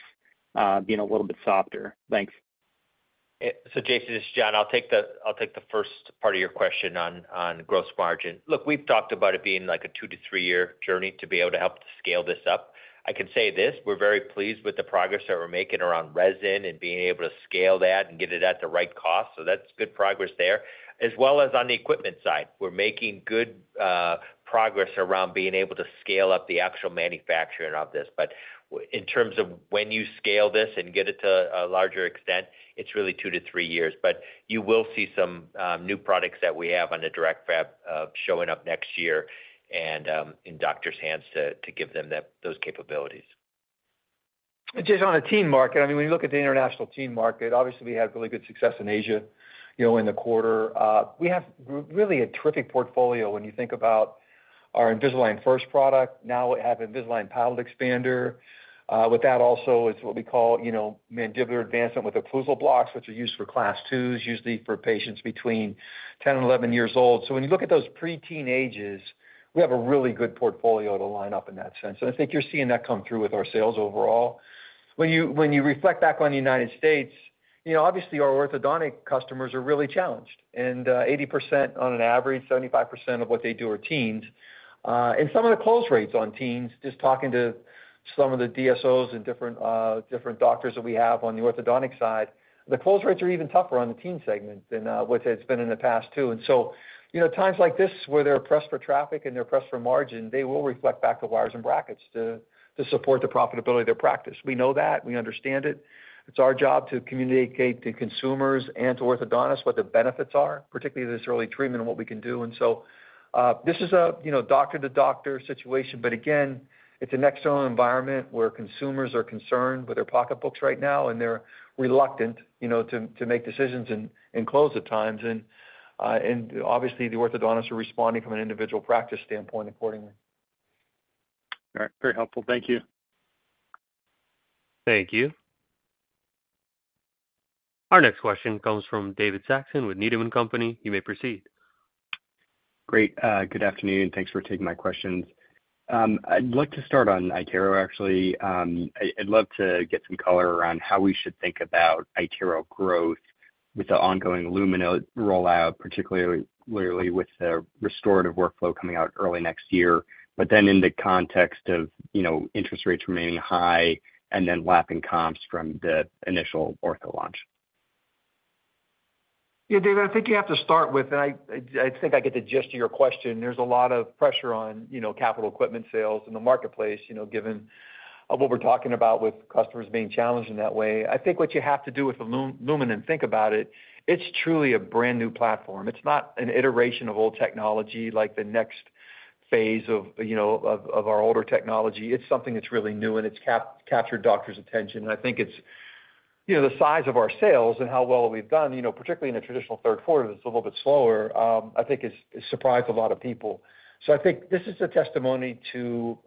[SPEAKER 8] being a little bit softer. Thanks.
[SPEAKER 4] So Jason, this is John. I'll take the, I'll take the first part of your question on, on gross margin. Look, we've talked about it being like a two to three-year journey to be able to help to scale this up. I can say this, we're very pleased with the progress that we're making around resin and being able to scale that and get it at the right cost. So that's good progress there. As well as on the equipment side, we're making good progress around being able to scale up the actual manufacturing of this. But in terms of when you scale this and get it to a larger extent, it's really two to three years. But you will see some new products that we have on the direct fab showing up next year and in doctors' hands to give them that, those capabilities.
[SPEAKER 3] Just on the teen market, I mean, when you look at the international teen market, obviously, we had really good success in Asia, you know, in the quarter. We have really a terrific portfolio when you think about our Invisalign First product. Now we have Invisalign Palate Expander. With that also is what we call, you know, mandibular advancement with occlusal blocks, which are used for Class II, usually for patients between ten and eleven years old. So when you look at those pre-teen ages, we have a really good portfolio to line up in that sense. I think you're seeing that come through with our sales overall. When you reflect back on the United States, you know, obviously, our orthodontic customers are really challenged, and 80% on average, 75% of what they do are teens. And some of the close rates on teens, just talking to some of the DSOs and different doctors that we have on the orthodontic side, the close rates are even tougher on the teen segment than what it's been in the past, too. And so, you know, times like this, where they're pressed for traffic and they're pressed for margin, they will reflect back to wires and brackets to support the profitability of their practice. We know that, we understand it. It's our job to communicate to consumers and to orthodontists what the benefits are, particularly this early treatment and what we can do. And so, this is a, you know, doctor-to-doctor situation, but again, it's an external environment where consumers are concerned with their pocketbooks right now, and they're reluctant, you know, to make decisions and close at times. Obviously, the orthodontists are responding from an individual practice standpoint accordingly.
[SPEAKER 8] All right. Very helpful. Thank you.
[SPEAKER 1] Thank you. Our next question comes from David Saxon with Needham & Company. You may proceed.
[SPEAKER 9] Great. Good afternoon. Thanks for taking my questions. I'd like to start on iTero, actually. I'd love to get some color around how we should think about iTero growth with the ongoing Lumina rollout, particularly literally with the restorative workflow coming out early next year, but then in the context of, you know, interest rates remaining high and then lapping comps from the initial Ortho launch.
[SPEAKER 3] Yeah, David, I think you have to start with, and I think I get the gist of your question. There's a lot of pressure on, you know, capital equipment sales in the marketplace, you know, given what we're talking about with customers being challenged in that way. I think what you have to do with the Lumina, and think about it, it's truly a brand new platform. It's not an iteration of old technology, like the next phase of, you know, of our older technology. It's something that's really new, and it's captured doctors' attention. And I think it's, you know, the size of our sales and how well we've done, you know, particularly in the traditional third quarter, it's a little bit slower, I think has surprised a lot of people. So I think this is a testimony to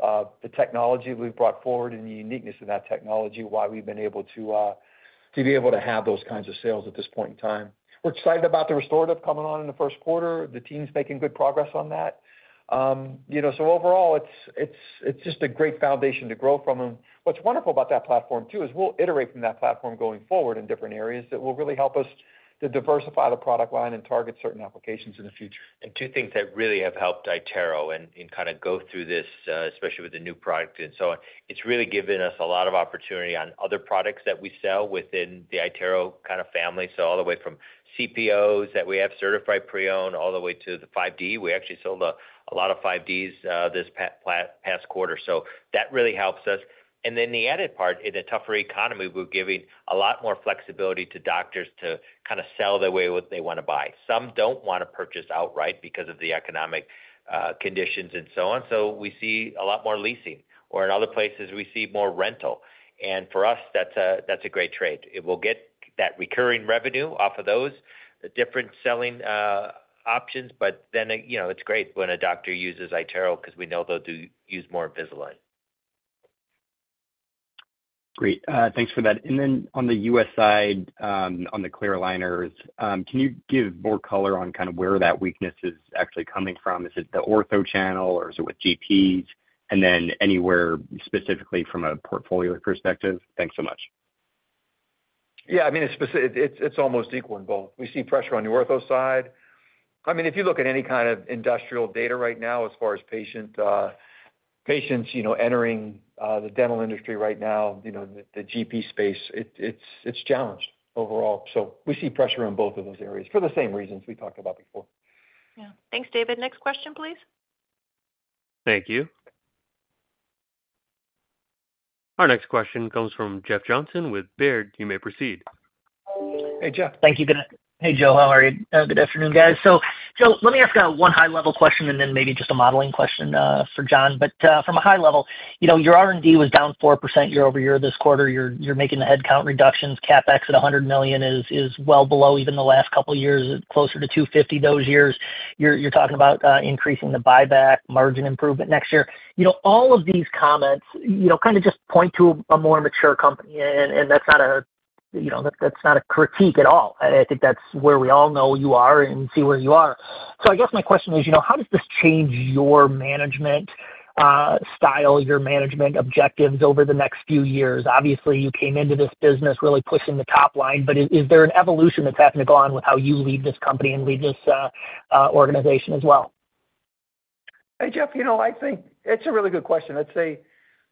[SPEAKER 3] the technology we've brought forward and the uniqueness of that technology, why we've been able to have those kinds of sales at this point in time. We're excited about the restorative coming on in the first quarter. The team's making good progress on that. You know, so overall, it's just a great foundation to grow from. And what's wonderful about that platform, too, is we'll iterate from that platform going forward in different areas that will really help us to diversify the product line and target certain applications in the future.
[SPEAKER 4] And two things that really have helped iTero and kind of go through this, especially with the new product and so on. It's really given us a lot of opportunity on other products that we sell within the iTero kind of family. So all the way from CPOs that we have certified pre-owned, all the way to the 5D. We actually sold a lot of 5Ds this past quarter, so that really helps us. And then the added part, in a tougher economy, we're giving a lot more flexibility to doctors to kind of sell the way what they want to buy. Some don't want to purchase outright because of the economic conditions and so on, so we see a lot more leasing, or in other places, we see more rental. And for us, that's a great trade. It will get that recurring revenue off of those, the different selling options, but then, you know, it's great when a doctor uses iTero because we know they'll use more Invisalign. ...
[SPEAKER 9] Great. Thanks for that. And then on the U.S. side, on the clear aligners, can you give more color on kind of where that weakness is actually coming from? Is it the ortho channel, or is it with GPs? And then anywhere specifically from a portfolio perspective. Thanks so much.
[SPEAKER 3] Yeah, I mean, it's almost equal in both. We see pressure on the ortho side. I mean, if you look at any kind of industrial data right now, as far as patients, you know, entering the dental industry right now, you know, the GP space, it's challenged overall. So we see pressure in both of those areas for the same reasons we talked about before.
[SPEAKER 2] Yeah. Thanks, David. Next question, please.
[SPEAKER 1] Thank you. Our next question comes from Jeff Johnson with Baird. You may proceed.
[SPEAKER 3] Hey, Jeff.
[SPEAKER 10] Thank you. Hey, Joe, how are you? Good afternoon, guys. So Joe, let me ask one high-level question and then maybe just a modeling question for John. But from a high level, you know, your R&D was down 4% year over year this quarter. You're making the headcount reductions. CapEx at $100 million is well below even the last couple of years, closer to $250 million those years. You're talking about increasing the buyback, margin improvement next year. You know, all of these comments, you know, kind of just point to a more mature company, and that's not a critique at all. I think that's where we all know you are and see where you are. So I guess my question is, you know, how does this change your management style, your management objectives over the next few years? Obviously, you came into this business really pushing the top line, but is there an evolution that's having to go on with how you lead this company and lead this organization as well?
[SPEAKER 3] Hey, Jeff, you know, I think it's a really good question. I'd say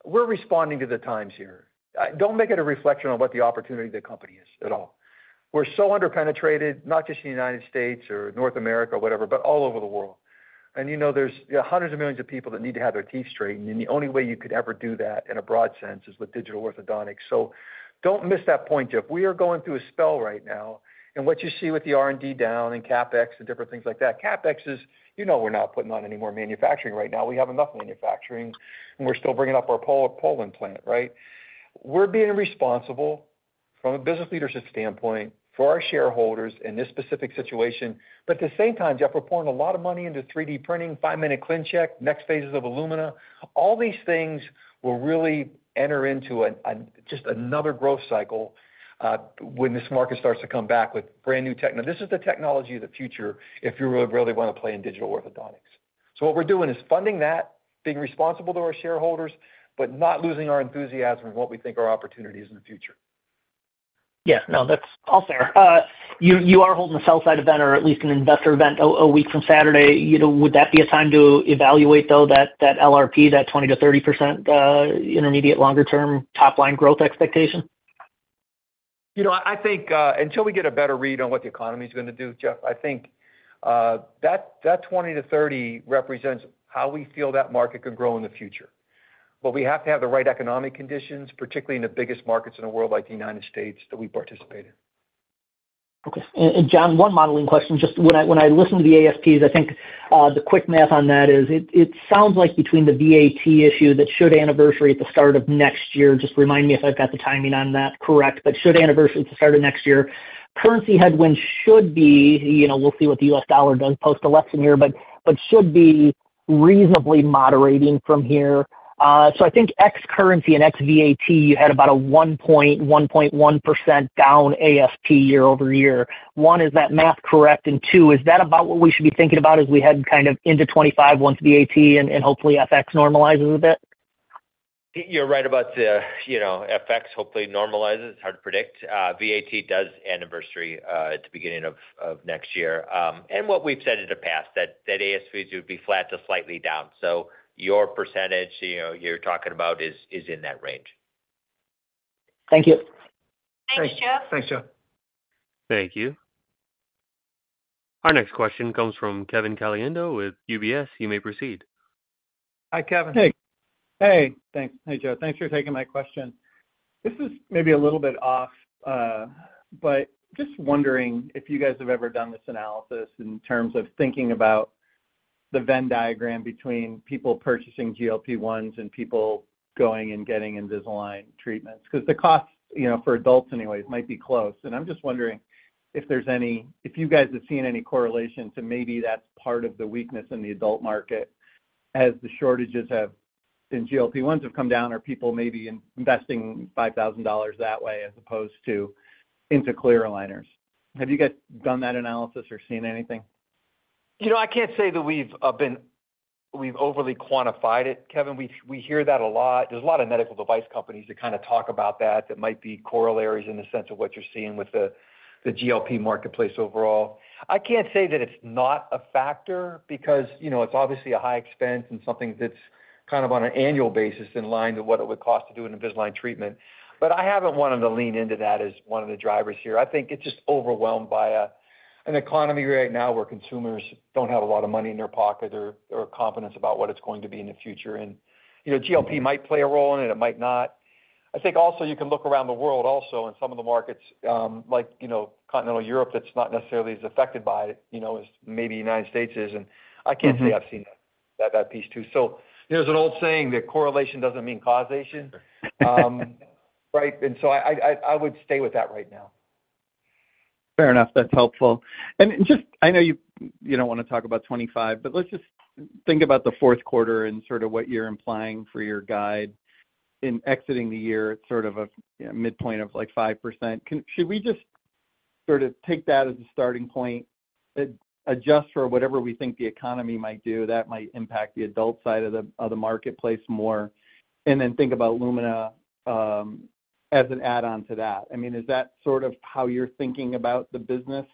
[SPEAKER 3] we're responding to the times here. Don't make it a reflection on what the opportunity of the company is at all. We're so underpenetrated, not just in the United States or North America or whatever, but all over the world. And, you know, there's hundreds of millions of people that need to have their teeth straightened, and the only way you could ever do that in a broad sense is with digital orthodontics. So don't miss that point, Jeff. We are going through a spell right now, and what you see with the R&D down and CapEx and different things like that. CapEx is, you know, we're not putting on any more manufacturing right now. We have enough manufacturing, and we're still bringing up our Poland plant, right? We're being responsible from a business leadership standpoint for our shareholders in this specific situation, but at the same time, Jeff, we're pouring a lot of money into 3D printing, 5-Minute ClinCheck, next phases of Lumina. All these things will really enter into just another growth cycle when this market starts to come back with brand new tech. Now, this is the technology of the future if you really, really want to play in digital orthodontics. So what we're doing is funding that, being responsible to our shareholders, but not losing our enthusiasm in what we think are opportunities in the future.
[SPEAKER 10] Yeah. No, that's all fair. You are holding a sell side event or at least an investor event a week from Saturday. You know, would that be a time to evaluate, though, that LRP, that 20%-30% intermediate, longer-term top-line growth expectation?
[SPEAKER 3] You know, I think until we get a better read on what the economy is gonna do, Jeff, I think that 20-30 represents how we feel that market could grow in the future, but we have to have the right economic conditions, particularly in the biggest markets in the world, like the United States, that we participate in.
[SPEAKER 10] Okay. And John, one modeling question. Just when I listen to the ASPs, I think the quick math on that is it sounds like between the VAT issue that should anniversary at the start of next year. Just remind me if I've got the timing on that correct, but should anniversary at the start of next year. Currency headwinds should be, you know, we'll see what the US dollar does post-election year, but should be reasonably moderating from here. So I think ex-currency and ex-VAT, you had about a 1.1% down ASP year over year. One, is that math correct? And two, is that about what we should be thinking about as we head kind of into twenty-five once VAT and hopefully FX normalizes a bit?
[SPEAKER 4] You're right about the, you know, FX. Hopefully normalizes. It's hard to predict. VAT does anniversary at the beginning of next year. And what we've said in the past, that ASPs would be flat to slightly down. So your percentage, you know, you're talking about is in that range.
[SPEAKER 10] Thank you.
[SPEAKER 2] Thanks, Jeff.
[SPEAKER 3] Thanks, Jeff.
[SPEAKER 1] Thank you. Our next question comes from Kevin Caliendo with UBS. You may proceed.
[SPEAKER 3] Hi, Kevin.
[SPEAKER 11] Hey. Hey, thanks. Hey, Joe. Thanks for taking my question. This is maybe a little bit off, but just wondering if you guys have ever done this analysis in terms of thinking about the Venn diagram between people purchasing GLP-1s and people going and getting Invisalign treatments. Because the costs, you know, for adults anyways, might be close. And I'm just wondering if there's any correlation to maybe that's part of the weakness in the adult market as the shortages in GLP-1s have come down, or people may be investing $5,000 that way as opposed to into clear aligners. Have you guys done that analysis or seen anything?
[SPEAKER 3] You know, I can't say that we've been overly quantified it, Kevin. We hear that a lot. There's a lot of medical device companies that kind of talk about that, that might be corollaries in the sense of what you're seeing with the GLP marketplace overall. I can't say that it's not a factor because, you know, it's obviously a high expense and something that's kind of on an annual basis in line to what it would cost to do an Invisalign treatment, but I haven't wanted to lean into that as one of the drivers here. I think it's just overwhelmed by an economy right now where consumers don't have a lot of money in their pocket or confidence about what it's going to be in the future, and you know, GLP might play a role in it, it might not. I think also you can look around the world also in some of the markets, like, you know, continental Europe, that's not necessarily as affected by it, you know, as maybe United States is. And I can't say I've seen that piece, too. So there's an old saying that correlation doesn't mean causation. Right? And so I would stay with that right now. ...
[SPEAKER 11] Fair enough, that's helpful. And just, I know you don't want to talk about twenty-five, but let's just think about the fourth quarter and sort of what you're implying for your guide in exiting the year at sort of a midpoint of, like, 5%. Should we just sort of take that as a starting point, adjust for whatever we think the economy might do, that might impact the adult side of the marketplace more, and then think about Lumina as an add-on to that? I mean, is that sort of how you're thinking about the business?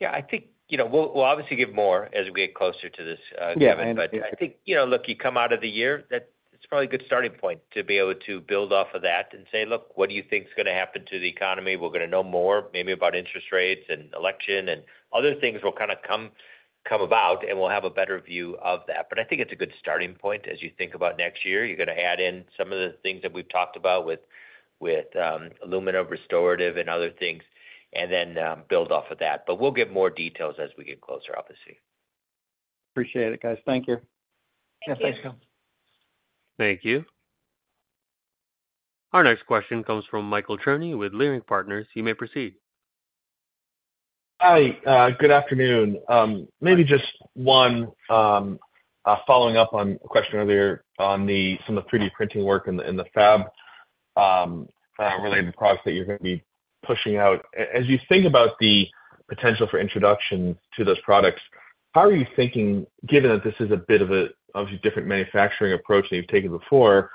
[SPEAKER 4] Yeah, I think, you know, we'll obviously give more as we get closer to this guidance.
[SPEAKER 11] Yeah.
[SPEAKER 4] But I think, you know, look, you come out of the year, it's probably a good starting point to be able to build off of that and say, "Look, what do you think is gonna happen to the economy?" We're gonna know more, maybe about interest rates and election and other things will kind of come about, and we'll have a better view of that. But I think it's a good starting point as you think about next year. You're gonna add in some of the things that we've talked about with Lumina Restorative and other things, and then build off of that. But we'll give more details as we get closer, obviously.
[SPEAKER 11] Appreciate it, guys. Thank you.
[SPEAKER 3] Yeah, thanks, Bill.
[SPEAKER 1] Thank you. Our next question comes from Michael Cherny with Leerink Partners. You may proceed.
[SPEAKER 12] Hi, good afternoon. Maybe just one, following up on a question earlier on some of the 3D printing work in the fab related products that you're gonna be pushing out. As you think about the potential for introduction to those products, how are you thinking, given that this is a bit of a, obviously, different manufacturing approach than you've taken before,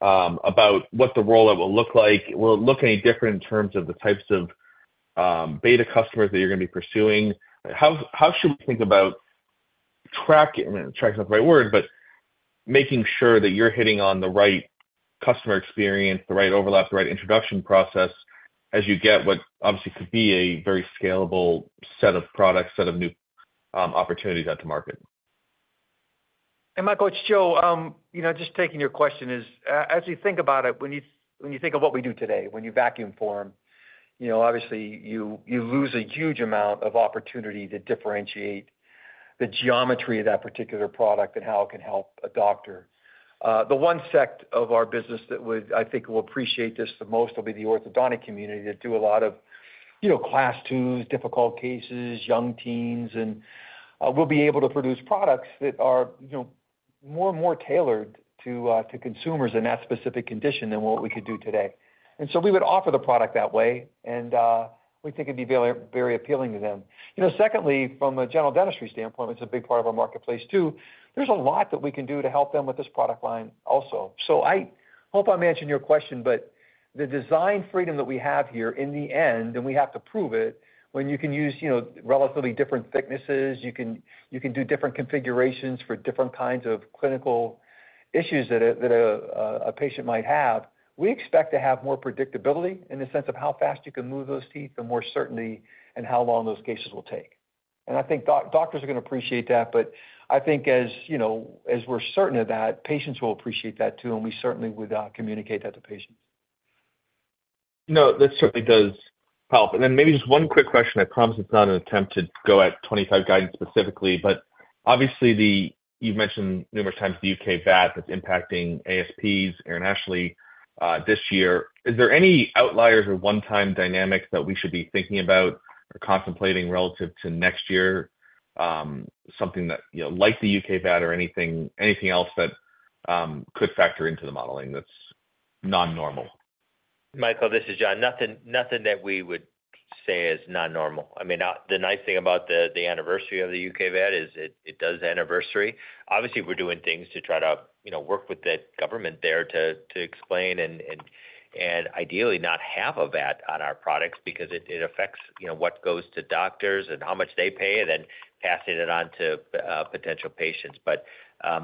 [SPEAKER 12] about what the role it will look like? Will it look any different in terms of the types of beta customers that you're gonna be pursuing? How should we think about tracking—track is not the right word, but making sure that you're hitting on the right customer experience, the right overlap, the right introduction process, as you get what obviously could be a very scalable set of products, set of new opportunities out to market?
[SPEAKER 3] Hey, Michael, it's Joe. You know, just taking your question, as you think about it, when you think of what we do today, when you vacuum form, you know, obviously, you lose a huge amount of opportunity to differentiate the geometry of that particular product and how it can help a doctor. The one segment of our business that would, I think, will appreciate this the most will be the orthodontic community that do a lot of, you know, Class II, difficult cases, young teens, and we'll be able to produce products that are, you know, more and more tailored to consumers in that specific condition than what we could do today. And so we would offer the product that way, and we think it'd be very, very appealing to them. You know, secondly, from a general dentistry standpoint, it's a big part of our marketplace, too. There's a lot that we can do to help them with this product line also. So I hope I'm answering your question, but the design freedom that we have here in the end, and we have to prove it, when you can use, you know, relatively different thicknesses, you can do different configurations for different kinds of clinical issues that a patient might have, we expect to have more predictability in the sense of how fast you can move those teeth, the more certainty in how long those cases will take. And I think doctors are gonna appreciate that, but I think as, you know, as we're certain of that, patients will appreciate that, too, and we certainly would communicate that to patients.
[SPEAKER 12] No, this certainly does help, and then maybe just one quick question. I promise it's not an attempt to go at twenty-five guidance specifically, but obviously, you've mentioned numerous times the U.K. VAT that's impacting ASPs internationally, this year. Is there any outliers or one-time dynamics that we should be thinking about or contemplating relative to next year? Something that, you know, like the U.K. VAT or anything, anything else that could factor into the modeling that's non-normal?
[SPEAKER 4] Michael, this is John. Nothing, nothing that we would say is non-normal. I mean, the nice thing about the anniversary of the U.K. VAT is it does anniversary. Obviously, we're doing things to try to, you know, work with the government there to explain and ideally not have a VAT on our products because it affects, you know, what goes to doctors and how much they pay and then passing it on to potential patients. But,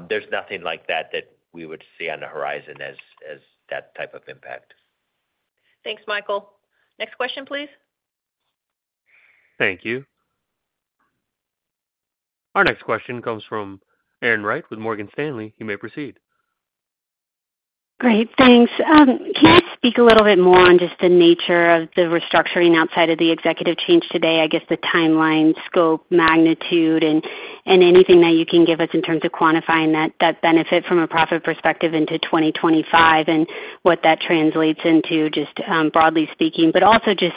[SPEAKER 4] there's nothing like that that we would see on the horizon as that type of impact.
[SPEAKER 2] Thanks, Michael. Next question, please.
[SPEAKER 1] Thank you. Our next question comes from Erin Wright with Morgan Stanley. You may proceed.
[SPEAKER 13] Great, thanks. Can you speak a little bit more on just the nature of the restructuring outside of the executive change today? I guess the timeline, scope, magnitude, and anything that you can give us in terms of quantifying that benefit from a profit perspective into 2025, and what that translates into, just, broadly speaking. But also just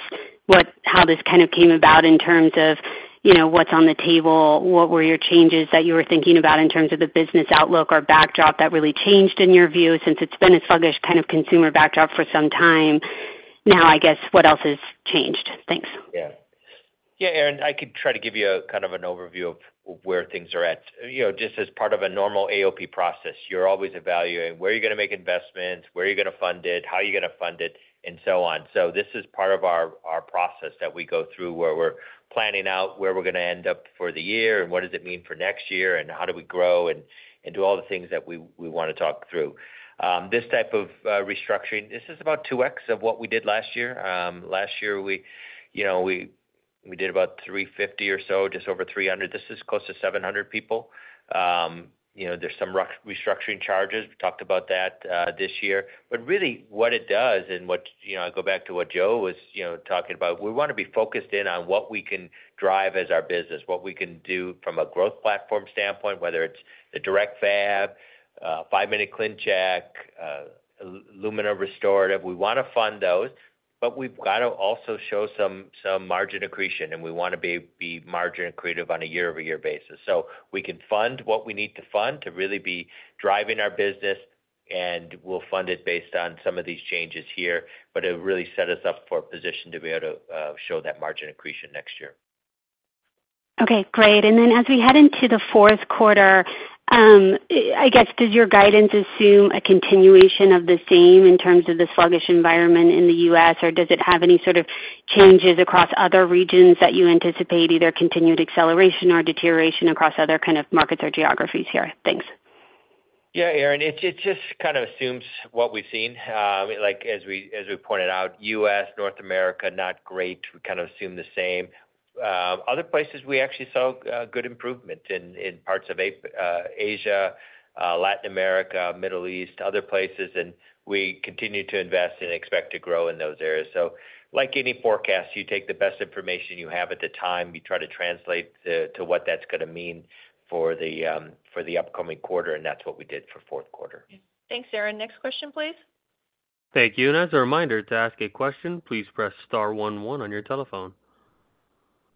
[SPEAKER 13] what, how this kind of came about in terms of, you know, what's on the table, what were your changes that you were thinking about in terms of the business outlook or backdrop that really changed in your view, since it's been a sluggish kind of consumer backdrop for some time? Now, I guess, what else has changed? Thanks.
[SPEAKER 4] Yeah. Yeah, Erin, I could try to give you a kind of an overview of where things are at. You know, just as part of a normal AOP process, you're always evaluating where you're gonna make investments, where you're gonna fund it, how you're gonna fund it, and so on. So this is part of our process that we go through, where we're planning out where we're gonna end up for the year, and what does it mean for next year, and how do we grow and do all the things that we wanna talk through. This type of restructuring, this is about two X of what we did last year. Last year, you know, we did about three fifty or so, just over three hundred. This is close to seven hundred people. You know, there's some restructuring charges. We talked about that, this year. But really, what it does and what, you know, I go back to what Joe was, you know, talking about: We wanna be focused in on what we can drive as our business, what we can do from a growth platform standpoint, whether it's the direct fab, 5-Minute ClinCheck, Lumina Restorative. We wanna fund those, but we've got to also show some margin accretion, and we wanna be margin accretive on a year-over-year basis. So we can fund what we need to fund to really be driving our business, and we'll fund it based on some of these changes here, but it really set us up for a position to be able to show that margin accretion next year.
[SPEAKER 13] Okay, great. And then as we head into the fourth quarter, I guess, does your guidance assume a continuation of the same in terms of the sluggish environment in the U.S., or does it have any sort of changes across other regions that you anticipate, either continued acceleration or deterioration across other kind of markets or geographies here? Thanks.
[SPEAKER 4] Yeah, Erin, it just kind of assumes what we've seen. Like, as we pointed out, U.S., North America, not great. We kind of assume the same. Other places, we actually saw good improvement in parts of Asia, Latin America, Middle East, other places, and we continue to invest and expect to grow in those areas. So like any forecast, you take the best information you have at the time, you try to translate to what that's gonna mean for the upcoming quarter, and that's what we did for fourth quarter.
[SPEAKER 2] Thanks, Erin. Next question, please.
[SPEAKER 1] Thank you, and as a reminder, to ask a question, please press star one one on your telephone.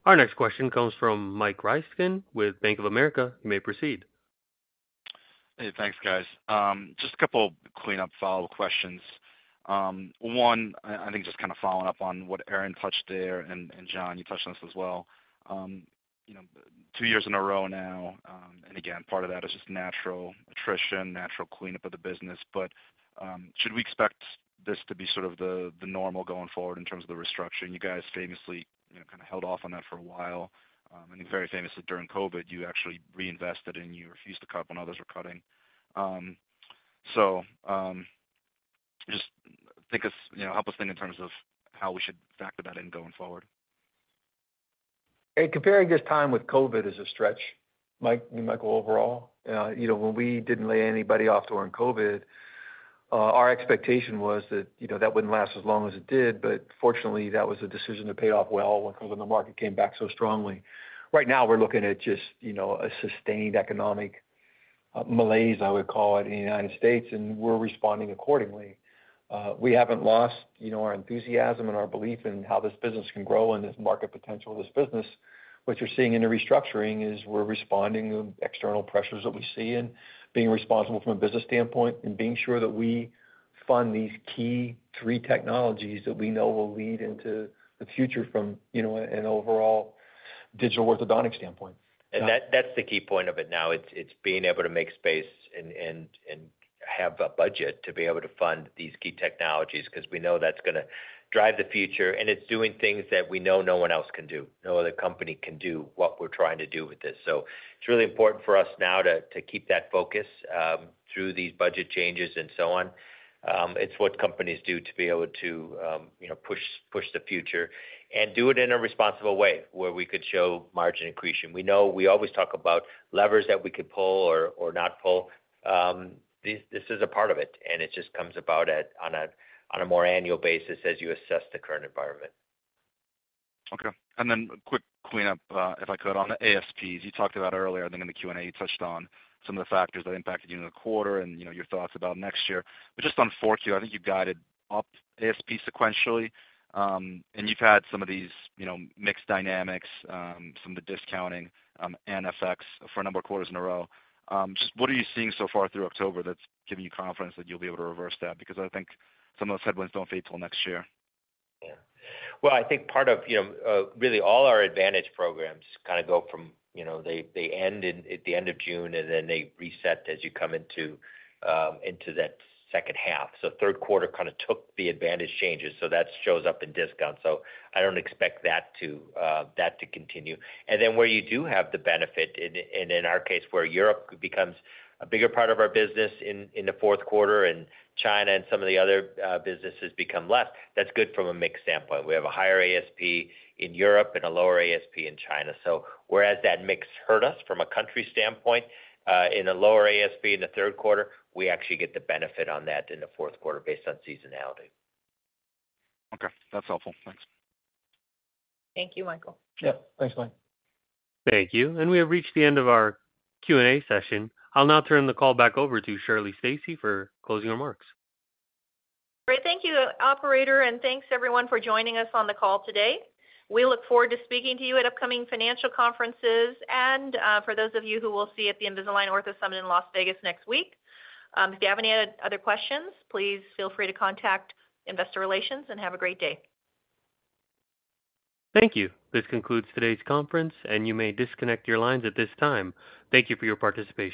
[SPEAKER 1] Our next question comes from Mike Ryskin with Bank of America. You may proceed.
[SPEAKER 14] Hey, thanks, guys. Just a couple clean up follow-up questions. One, I think just kind of following up on what Erin touched there, and John, you touched on this as well. You know, two years in a row now, and again, part of that is just natural attrition, natural cleanup of the business, but should we expect this to be sort of the normal going forward in terms of the restructuring? You guys famously, you know, kind of held off on that for a while. And very famously, during COVID, you actually reinvested, and you refused to cut when others were cutting, so just make us, you know, help us think in terms of how we should factor that in going forward.
[SPEAKER 3] Hey, comparing this time with COVID is a stretch, Mike, Michael, overall. You know, when we didn't lay anybody off during COVID, our expectation was that, you know, that wouldn't last as long as it did, but fortunately, that was a decision that paid off well, because when the market came back so strongly. Right now, we're looking at just, you know, a sustained economic malaise, I would call it, in the United States, and we're responding accordingly. We haven't lost, you know, our enthusiasm and our belief in how this business can grow and this market potential of this business. What you're seeing in the restructuring is we're responding to external pressures that we see and being responsible from a business standpoint and being sure that we fund these key three technologies that we know will lead into the future from, you know, an overall digital orthodontic standpoint.
[SPEAKER 4] And that, that's the key point of it now. It's being able to make space and have a budget to be able to fund these key technologies, because we know that's gonna drive the future, and it's doing things that we know no one else can do. No other company can do what we're trying to do with this. So it's really important for us now to keep that focus through these budget changes and so on. It's what companies do to be able to, you know, push the future and do it in a responsible way, where we could show margin accretion. We know we always talk about levers that we could pull or not pull. This is a part of it, and it just comes about on a more annual basis as you assess the current environment.
[SPEAKER 14] Okay. And then quick cleanup, if I could. On the ASPs, you talked about earlier, I think in the Q&A, you touched on some of the factors that impacted you in the quarter and, you know, your thoughts about next year. But just on 4Q, I think you guided up ASP sequentially, and you've had some of these, you know, mixed dynamics, some of the discounting, and FX for a number of quarters in a row. Just what are you seeing so far through October that's giving you confidence that you'll be able to reverse that? Because I think some of those headwinds don't fade till next year.
[SPEAKER 4] Yeah. Well, I think part of, you know, really all our Advantage programs kind of go from, you know, they end in, at the end of June, and then they reset as you come into, into that second half. So third quarter kind of took the advantage changes, so that shows up in discount, so I don't expect that to, that to continue. And then, where you do have the benefit in, and in our case, where Europe becomes a bigger part of our business in, in the fourth quarter and China and some of the other, businesses become less, that's good from a mix standpoint. We have a higher ASP in Europe and a lower ASP in China. So whereas that mix hurt us from a country standpoint, in a lower ASP in the third quarter, we actually get the benefit on that in the fourth quarter based on seasonality.
[SPEAKER 14] Okay. That's helpful. Thanks.
[SPEAKER 2] Thank you, Michael.
[SPEAKER 3] Yeah. Thanks, Mike.
[SPEAKER 1] Thank you, and we have reached the end of our Q&A session. I'll now turn the call back over to Shirley Stacy for closing remarks.
[SPEAKER 2] Great. Thank you, operator, and thanks, everyone, for joining us on the call today. We look forward to speaking to you at upcoming financial conferences and, for those of you who we'll see at the Invisalign Ortho Summit in Las Vegas next week. If you have any other questions, please feel free to contact investor relations, and have a great day.
[SPEAKER 1] Thank you. This concludes today's conference, and you may disconnect your lines at this time. Thank you for your participation.